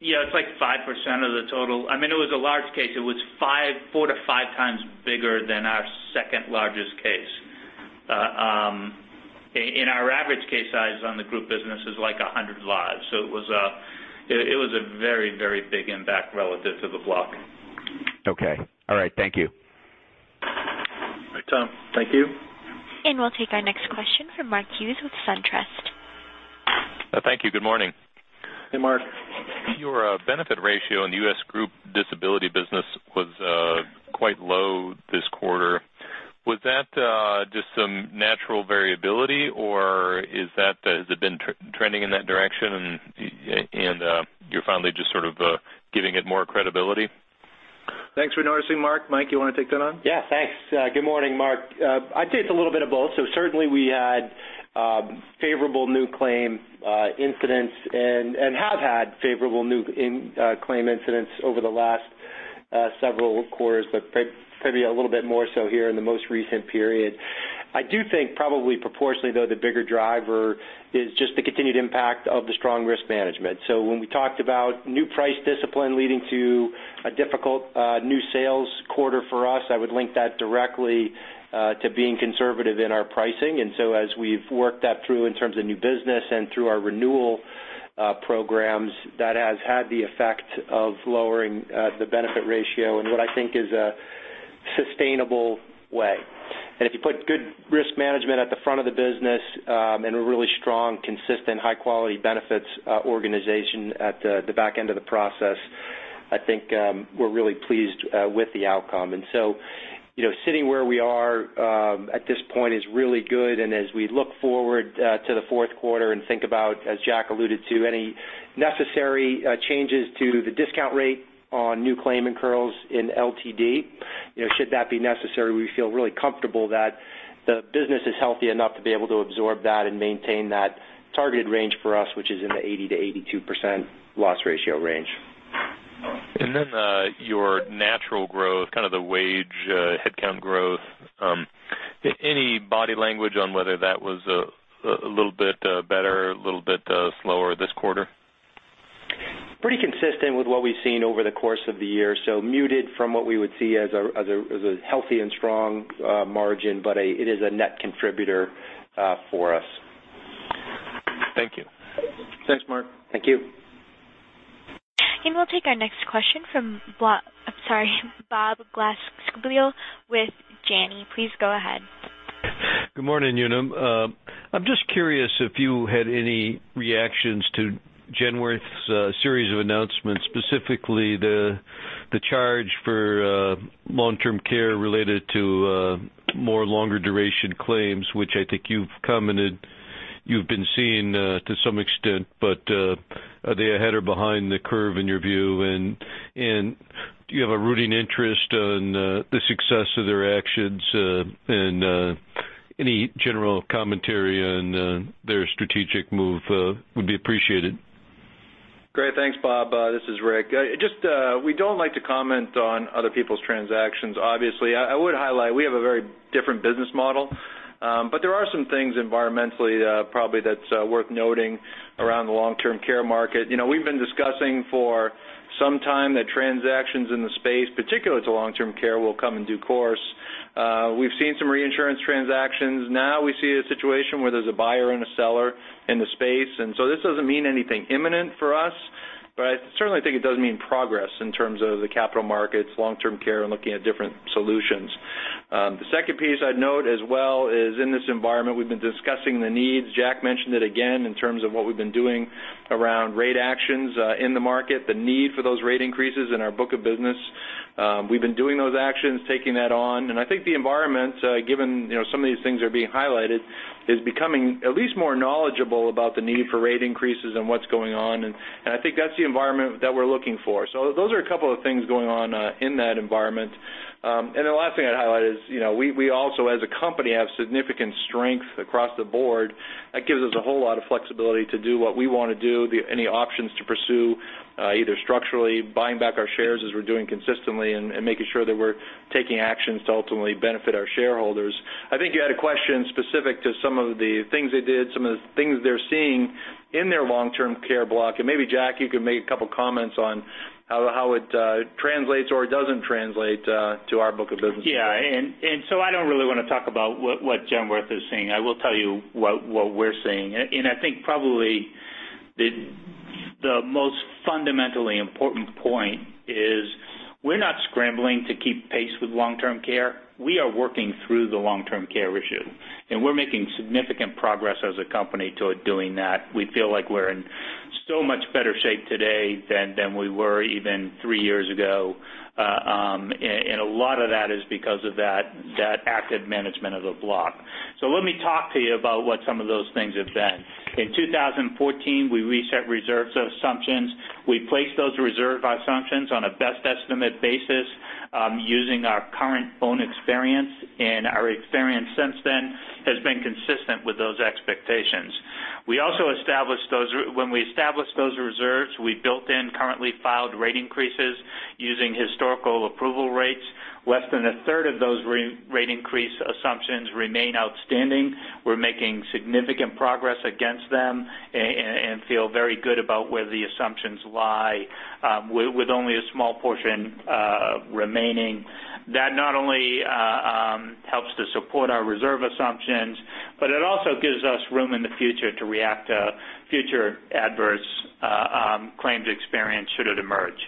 it's like 5% of the total. I mean, it was a large case. It was four to five times bigger than our second-largest case. Our average case size on the group business is like 100 lives. It was a very, very big impact relative to the block. Okay. All right. Thank you. All right, Tom. Thank you. We'll take our next question from Mark Hughes with SunTrust. Thank you. Good morning. Hey, Mark. Your benefit ratio in the U.S. group disability business was quite low this quarter. Was that just some natural variability or has it been trending in that direction, and you're finally just sort of giving it more credibility? Thanks for noticing, Mark. Mike, you want to take that on? Thanks. Good morning, Mark. I'd say it's a little bit of both. Certainly we had favorable new claim incidents and have had favorable new claim incidents over the last several quarters, but probably a little bit more so here in the most recent period. I do think probably proportionately, though, the bigger driver is just the continued impact of the strong risk management. When we talked about new price discipline leading to a difficult new sales quarter for us, I would link that directly to being conservative in our pricing. As we've worked that through in terms of new business and through our renewal Programs that has had the effect of lowering the benefit ratio in what I think is a sustainable way. If you put good risk management at the front of the business and a really strong, consistent high-quality benefits organization at the back end of the process, I think we're really pleased with the outcome. Sitting where we are at this point is really good, and as we look forward to the fourth quarter and think about, as Jack alluded to, any necessary changes to the discount rate on new claim incurrals in LTD, should that be necessary, we feel really comfortable that the business is healthy enough to be able to absorb that and maintain that targeted range for us, which is in the 80%-82% loss ratio range. Then your natural growth, the wage headcount growth. Any body language on whether that was a little bit better, a little bit slower this quarter? Pretty consistent with what we've seen over the course of the year. Muted from what we would see as a healthy and strong margin, but it is a net contributor for us. Thank you. Thanks, Mark. Thank you. We'll take our next question from Bob Glasspiegel with Janney. Please go ahead. Good morning, Unum. I'm just curious if you had any reactions to Genworth's series of announcements, specifically the charge for long-term care related to more longer duration claims, which I think you've commented you've been seeing to some extent, but are they ahead or behind the curve in your view? Do you have a rooting interest in the success of their actions? Any general commentary on their strategic move would be appreciated. Great. Thanks, Bob. This is Rick. We don't like to comment on other people's transactions, obviously. I would highlight, we have a very different business model, but there are some things environmentally probably that's worth noting around the long-term care market. We've been discussing for some time that transactions in the space, particularly to long-term care, will come in due course. We've seen some reinsurance transactions. We see a situation where there's a buyer and a seller in the space, and so this doesn't mean anything imminent for us, but I certainly think it does mean progress in terms of the capital markets, long-term care, and looking at different solutions. The second piece I'd note as well is in this environment, we've been discussing the needs. Jack mentioned it again in terms of what we've been doing around rate actions in the market, the need for those rate increases in our book of business. We've been doing those actions, taking that on, and I think the environment, given some of these things are being highlighted, is becoming at least more knowledgeable about the need for rate increases and what's going on, and I think that's the environment that we're looking for. Those are a couple of things going on in that environment. The last thing I'd highlight is, we also as a company have significant strength across the board. That gives us a whole lot of flexibility to do what we want to do, any options to pursue, either structurally buying back our shares as we're doing consistently and making sure that we're taking actions to ultimately benefit our shareholders. I think you had a question specific to some of the things they did, some of the things they're seeing in their long-term care block. Maybe, Jack, you could make a couple comments on how it translates or doesn't translate to our book of business. Yeah. I don't really want to talk about what Genworth is seeing. I will tell you what we're seeing. I think probably the most fundamentally important point is we're not scrambling to keep pace with long-term care. We are working through the long-term care issue, and we're making significant progress as a company toward doing that. We feel like we're in so much better shape today than we were even three years ago. A lot of that is because of that active management of the block. Let me talk to you about what some of those things have been. In 2014, we reset reserve assumptions. We placed those reserve assumptions on a best estimate basis using our current own experience, and our experience since then has been consistent with those expectations. When we established those reserves, we built in currently filed rate increases using historical approval rates. Less than a third of those rate increase assumptions remain outstanding. We're making significant progress against them and feel very good about where the assumptions lie with only a small portion remaining. That not only helps to support our reserve assumptions, but it also gives us room in the future to react to future adverse claims experience should it emerge.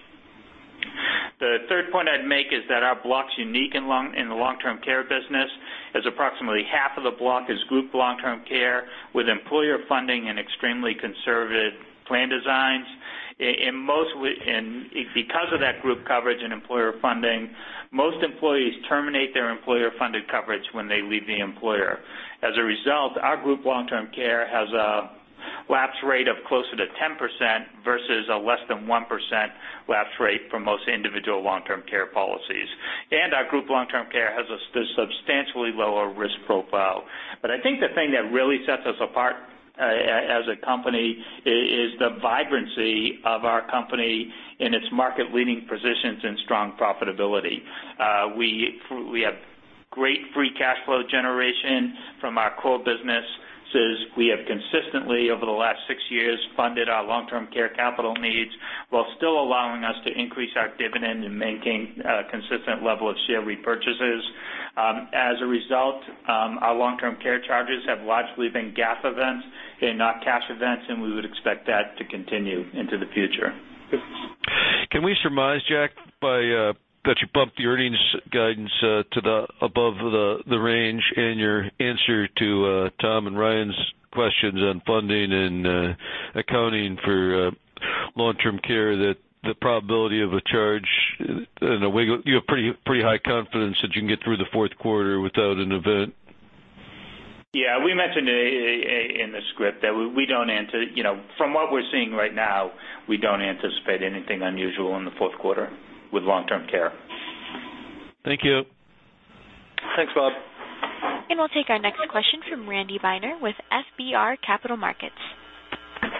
The third point I'd make is that our block's unique in the long-term care business, as approximately half of the block is group long-term care with employer funding and extremely conservative plan designs. Because of that group coverage and employer funding, most employees terminate their employer-funded coverage when they leave the employer. As a result, our group long-term care has a lapse rate of closer to 10% versus a less than 1% lapse rate for most individual long-term care policies. Our group long-term care has a substantially lower risk profile. I think the thing that really sets us apart as a company is the vibrancy of our company and its market-leading positions and strong profitability. We have great free cash flow generation from our core businesses. We have consistently over the last six years funded our long-term care capital needs while still allowing us to increase our dividend and maintain a consistent level of share repurchases. As a result, our long-term care charges have largely been GAAP events and not cash events, and we would expect that to continue into the future. Can we surmise, Jack, that you bumped the earnings guidance to above the range in your answer to Tom and Ryan's questions on funding and accounting for long-term care, that the probability of a charge in a wiggle, you have pretty high confidence that you can get through the fourth quarter without an event? Yeah, we mentioned in the script that from what we're seeing right now, we don't anticipate anything unusual in the fourth quarter with long-term care. Thank you. Thanks, Bob. We'll take our next question from Randy Binner with FBR Capital Markets.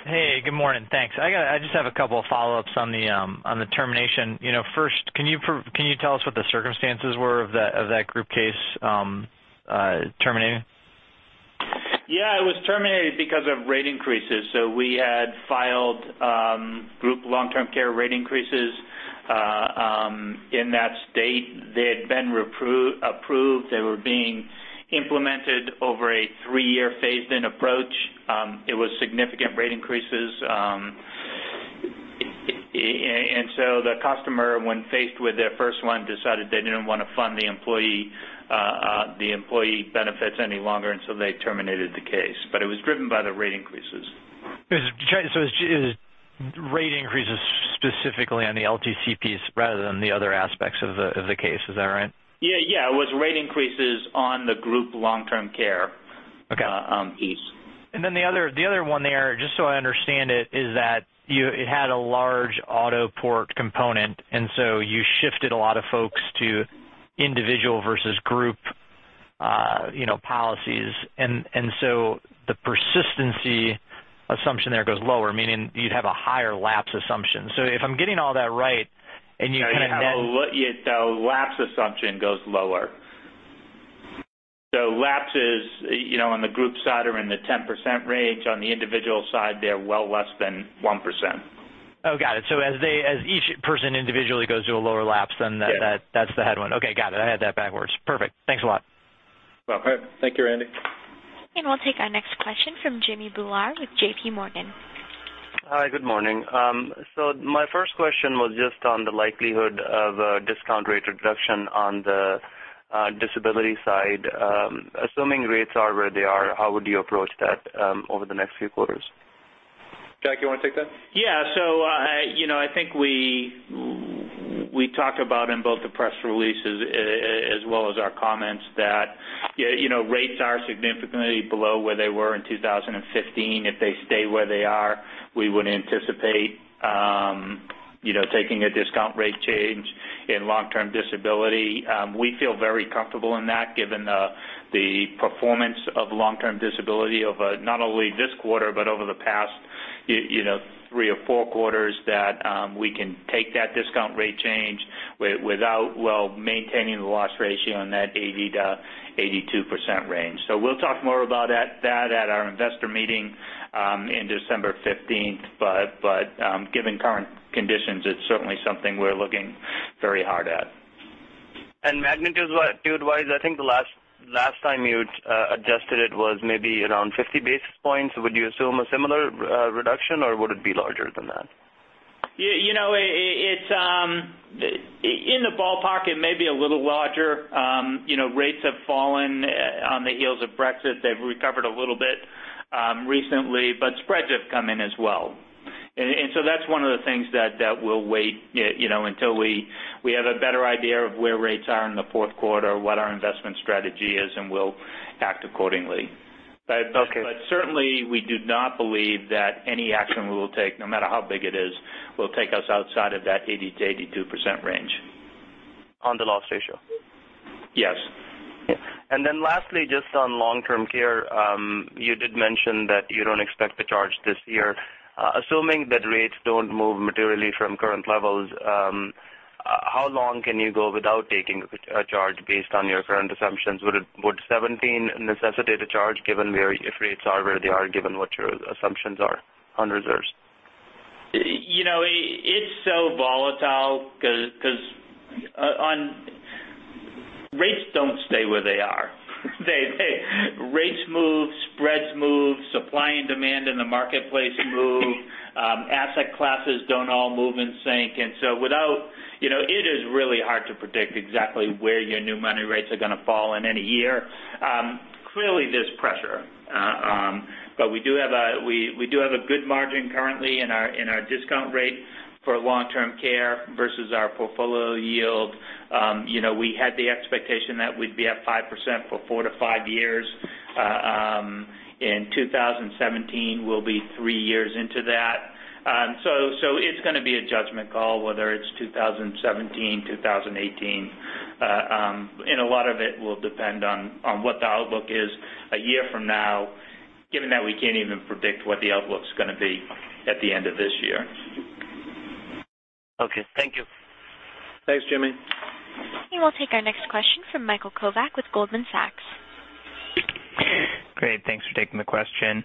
Hey, good morning. Thanks. I just have two follow-ups on the termination. First, can you tell us what the circumstances were of that group case terminating? Yeah, it was terminated because of rate increases. We had filed group long-term care rate increases in that state. They had been approved. They were being implemented over a three-year phased-in approach. It was significant rate increases. The customer, when faced with their first one, decided they didn't want to fund the employee benefits any longer, they terminated the case. It was driven by the rate increases. It was rate increases specifically on the LTC piece rather than the other aspects of the case. Is that right? Yeah. It was rate increases on the group long-term care piece. Okay. The other one there, just so I understand it, is that it had a large auto-port component, you shifted a lot of folks to individual versus group policies. The persistency assumption there goes lower, meaning you'd have a higher lapse assumption. If I'm getting all that right. The lapse assumption goes lower. Lapses on the group side are in the 10% range. On the individual side, they're well less than 1%. Oh, got it. As each person individually goes to a lower lapse. Yeah. That's the head one. Okay, got it. I had that backwards. Perfect. Thanks a lot. No problem. Thank you, Randy. We'll take our next question from Jimmy Bhullar with J.P. Morgan. Hi, good morning. My first question was just on the likelihood of a discount rate reduction on the disability side. Assuming rates are where they are, how would you approach that over the next few quarters? Jack, you want to take that? Yeah. I think we talked about in both the press releases as well as our comments that rates are significantly below where they were in 2015. If they stay where they are, we would anticipate taking a discount rate change in long-term disability. We feel very comfortable in that given the performance of long-term disability over not only this quarter, but over the past three or four quarters, that we can take that discount rate change while maintaining the loss ratio in that 80%-82% range. We'll talk more about that at our investor meeting in December 15th, but given current conditions, it's certainly something we're looking very hard at. Magnitude-wise, I think the last time you adjusted it was maybe around 50 basis points. Would you assume a similar reduction, or would it be larger than that? In the ballpark, it may be a little larger. Rates have fallen on the heels of Brexit. They've recovered a little bit recently, but spreads have come in as well. That's one of the things that we'll wait until we have a better idea of where rates are in the fourth quarter, what our investment strategy is, and we'll act accordingly. Okay. Certainly, we do not believe that any action we will take, no matter how big it is, will take us outside of that 80%-82% range. On the loss ratio? Yes. Lastly, just on long-term care, you did mention that you don't expect to charge this year. Assuming that rates don't move materially from current levels, how long can you go without taking a charge based on your current assumptions? Would 2017 necessitate a charge if rates are where they are, given what your assumptions are on reserves? It's so volatile because rates don't stay where they are. Rates move, spreads move, supply and demand in the marketplace move. Asset classes don't all move in sync. It is really hard to predict exactly where your new money rates are going to fall in any year. Clearly, there's pressure, but we do have a good margin currently in our discount rate for long-term care versus our portfolio yield. We had the expectation that we'd be at 5% for four to five years. In 2017, we'll be three years into that. It's going to be a judgment call whether it's 2017, 2018, and a lot of it will depend on what the outlook is a year from now, given that we can't even predict what the outlook's going to be at the end of this year. Okay. Thank you. Thanks, Jimmy. We'll take our next question from Michael Kovac with Goldman Sachs. Great. Thanks for taking the question.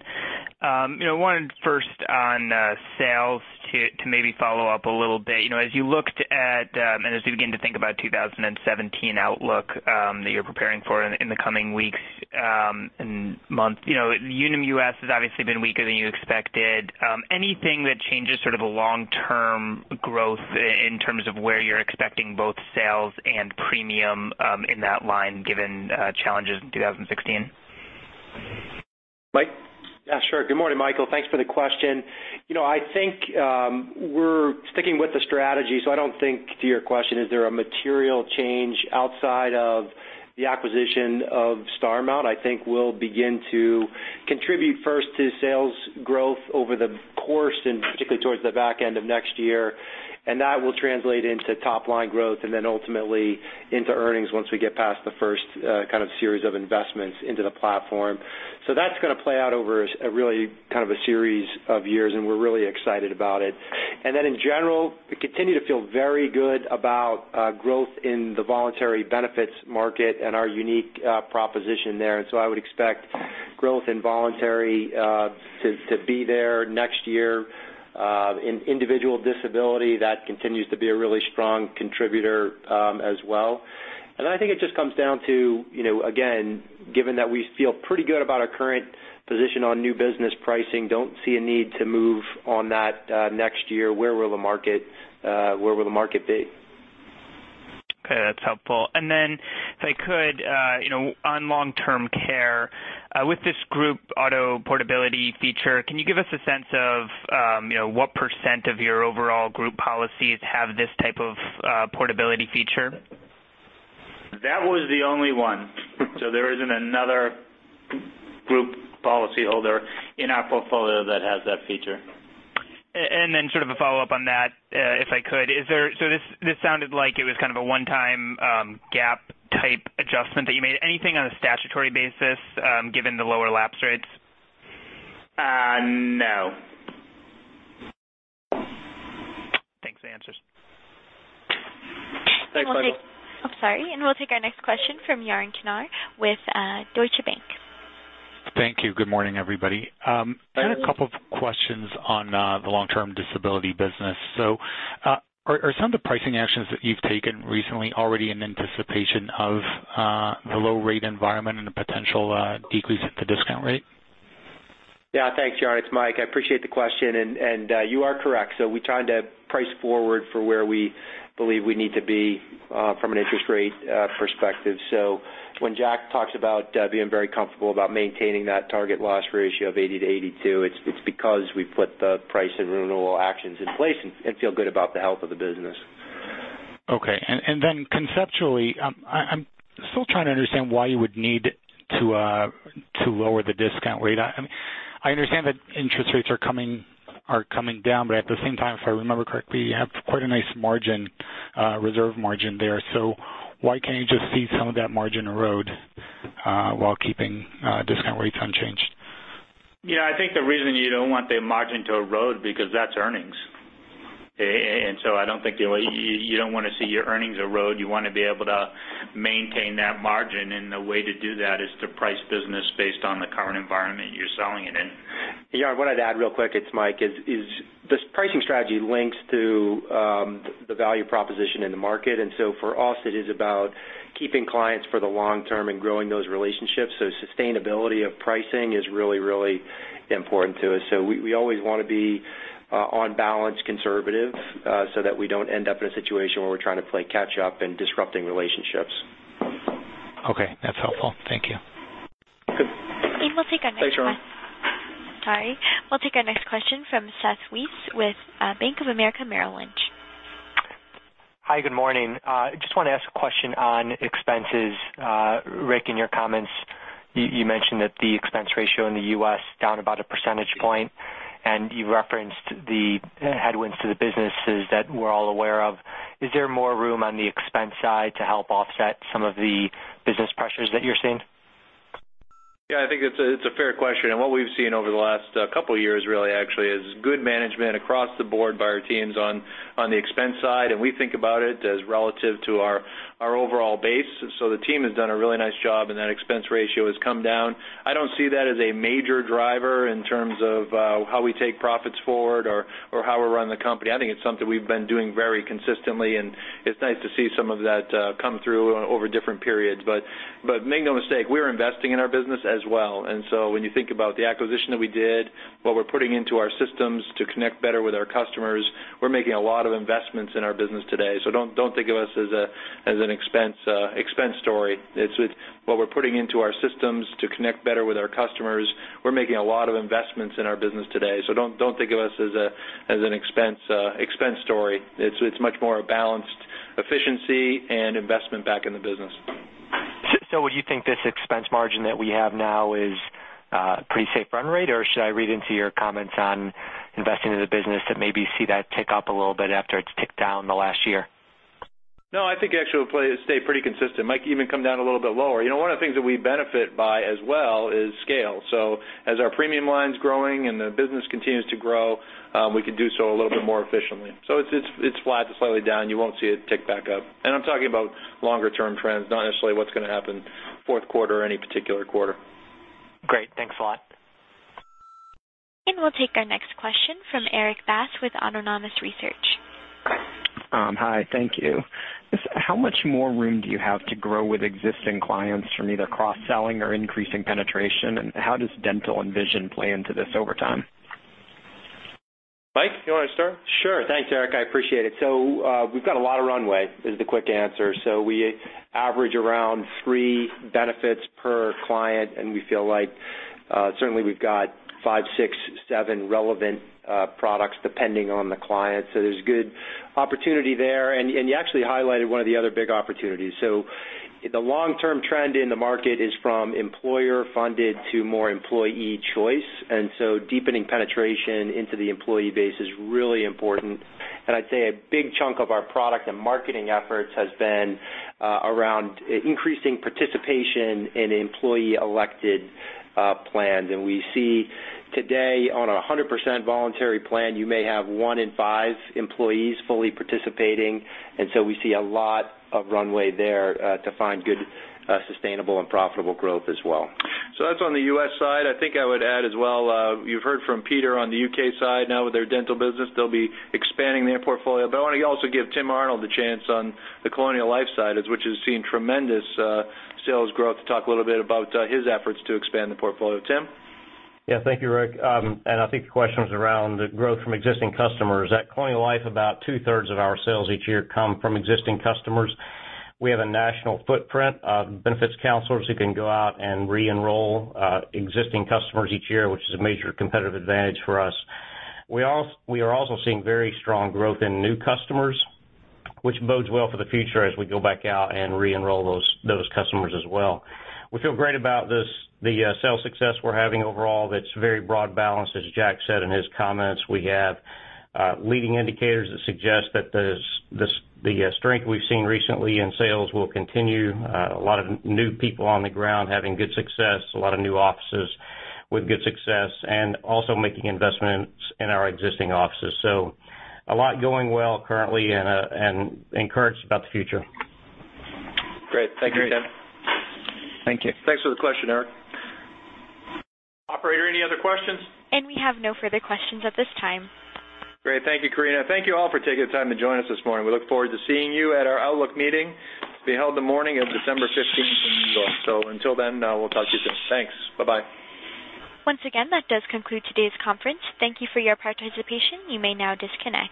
One, first on sales to maybe follow up a little bit. As you looked at, and as we begin to think about 2017 outlook, that you're preparing for in the coming weeks and months, Unum US has obviously been weaker than you expected. Anything that changes sort of a long-term growth in terms of where you're expecting both sales and premium in that line, given challenges in 2016? Mike? Yeah, sure. Good morning, Michael. Thanks for the question. I think we're sticking with the strategy, so I don't think to your question, is there a material change outside of the acquisition of Starmount? I think we'll begin to contribute first to sales growth over the course, and particularly towards the back end of next year, and that will translate into top-line growth and then ultimately into earnings once we get past the first kind of series of investments into the platform. That's going to play out over a really kind of a series of years, and we're really excited about it. In general, we continue to feel very good about growth in the voluntary benefits market and our unique proposition there. I would expect growth in voluntary to be there next year. In individual disability, that continues to be a really strong contributor as well. I think it just comes down to, again, given that we feel pretty good about our current position on new business pricing, don't see a need to move on that next year. Where will the market be? Okay. That's helpful. Then if I could, on long-term care, with this group auto portability feature, can you give us a sense of what % of your overall group policies have this type of portability feature? That was the only one. There isn't another group policyholder in our portfolio that has that feature. Then sort of a follow-up on that, if I could. This sounded like it was kind of a one-time gap-type adjustment that you made. Anything on a statutory basis, given the lower lapse rates? No. Thanks for the answers. Thanks, Michael. I'm sorry. We'll take our next question from Yaron Kinar with Deutsche Bank. Thank you. Good morning, everybody. I had a couple of questions on the long-term disability business. Are some of the pricing actions that you've taken recently already in anticipation of the low rate environment and the potential decrease at the discount rate? Yeah. Thanks, Yaron. It's Mike. I appreciate the question. You are correct. We try to price forward for where we believe we need to be from an interest rate perspective. When Jack talks about being very comfortable about maintaining that target loss ratio of 80%-82%, it's because we put the price and renewal actions in place and feel good about the health of the business. Okay. Conceptually, I'm still trying to understand why you would need to lower the discount rate. I understand that interest rates are coming down, but at the same time, if I remember correctly, you have quite a nice reserve margin there. Why can't you just see some of that margin erode while keeping discount rates unchanged? Yeah. I think the reason you don't want the margin to erode is because that's earnings. I don't think you don't want to see your earnings erode. You want to be able to maintain that margin, the way to do that is to price business based on the current environment you're selling it in. Yaron, what I'd add real quick, it's Mike, is this pricing strategy links to the value proposition in the market. For us, it is about keeping clients for the long term and growing those relationships. Sustainability of pricing is really, really important to us. We always want to be on balance conservative so that we don't end up in a situation where we're trying to play catch up and disrupting relationships. Okay. That's helpful. Thank you. Good. We'll take our next. Thanks, Yaron. Sorry. We'll take our next question from Seth Weiss with Bank of America Merrill Lynch. Hi. Good morning. Just want to ask a question on expenses. Rick, in your comments, you mentioned that the expense ratio in the U.S. down about a percentage point. You referenced the headwinds to the businesses that we're all aware of. Is there more room on the expense side to help offset some of the business pressures that you're seeing? Yeah, I think it's a fair question. What we've seen over the last couple of years really actually is good management across the board by our teams on the expense side, and we think about it as relative to our overall base. The team has done a really nice job and that expense ratio has come down. I don't see that as a major driver in terms of how we take profits forward or how we run the company. I think it's something we've been doing very consistently, and it's nice to see some of that come through over different periods. Make no mistake, we're investing in our business as well. When you think about the acquisition that we did, what we're putting into our systems to connect better with our customers, we're making a lot of investments in our business today. Don't think of us as an expense story. It's what we're putting into our systems to connect better with our customers. We're making a lot of investments in our business today. Don't think of us as an expense story. It's much more a balanced efficiency and investment back in the business. Would you think this expense margin that we have now is a pretty safe run rate, or should I read into your comments on investing in the business that maybe see that tick up a little bit after it's ticked down in the last year? No, I think actually it'll stay pretty consistent, might even come down a little bit lower. One of the things that we benefit by as well is scale. As our premium line's growing and the business continues to grow, we can do so a little bit more efficiently. It's flat to slightly down. You won't see it tick back up. I'm talking about longer-term trends, not necessarily what's going to happen fourth quarter or any particular quarter. Great. Thanks a lot. We'll take our next question from Erik Bass with Autonomous Research. Hi, thank you. How much more room do you have to grow with existing clients from either cross-selling or increasing penetration? How does dental and vision play into this over time? Mike, you want to start? Sure. Thanks, Erik. I appreciate it. We've got a lot of runway is the quick answer. We average around three benefits per client, and we feel like certainly we've got five, six, seven relevant products depending on the client. There's good opportunity there. You actually highlighted one of the other big opportunities. The long-term trend in the market is from employer-funded to more employee choice. Deepening penetration into the employee base is really important. I'd say a big chunk of our product and marketing efforts has been around increasing participation in employee-elected plans. We see today on a 100% voluntary plan, you may have 1 in 5 employees fully participating. We see a lot of runway there to find good, sustainable, and profitable growth as well. That's on the U.S. side. I think I would add as well, you've heard from Peter on the U.K. side now with their dental business. They'll be expanding their portfolio. I want to also give Tim Arnold the chance on the Colonial Life side, which has seen tremendous sales growth, to talk a little bit about his efforts to expand the portfolio. Tim? Yeah. Thank you, Rick. I think the question was around the growth from existing customers. At Colonial Life, about two-thirds of our sales each year come from existing customers. We have a national footprint of benefits counselors who can go out and re-enroll existing customers each year, which is a major competitive advantage for us. We are also seeing very strong growth in new customers, which bodes well for the future as we go back out and re-enroll those customers as well. We feel great about the sales success we're having overall that's very broad balance, as Jack said in his comments. We have leading indicators that suggest that the strength we've seen recently in sales will continue. We have a lot of new people on the ground having good success, a lot of new offices with good success, and also making investments in our existing offices. A lot going well currently and encouraged about the future. Great. Thank you, Tim. Thank you. Thanks for the question, Erik. Operator, any other questions? We have no further questions at this time. Great. Thank you, Karina. Thank you all for taking the time to join us this morning. We look forward to seeing you at our outlook meeting to be held the morning of December 15th in New York. Until then, we'll talk to you soon. Thanks. Bye-bye. Once again, that does conclude today's conference. Thank you for your participation. You may now disconnect.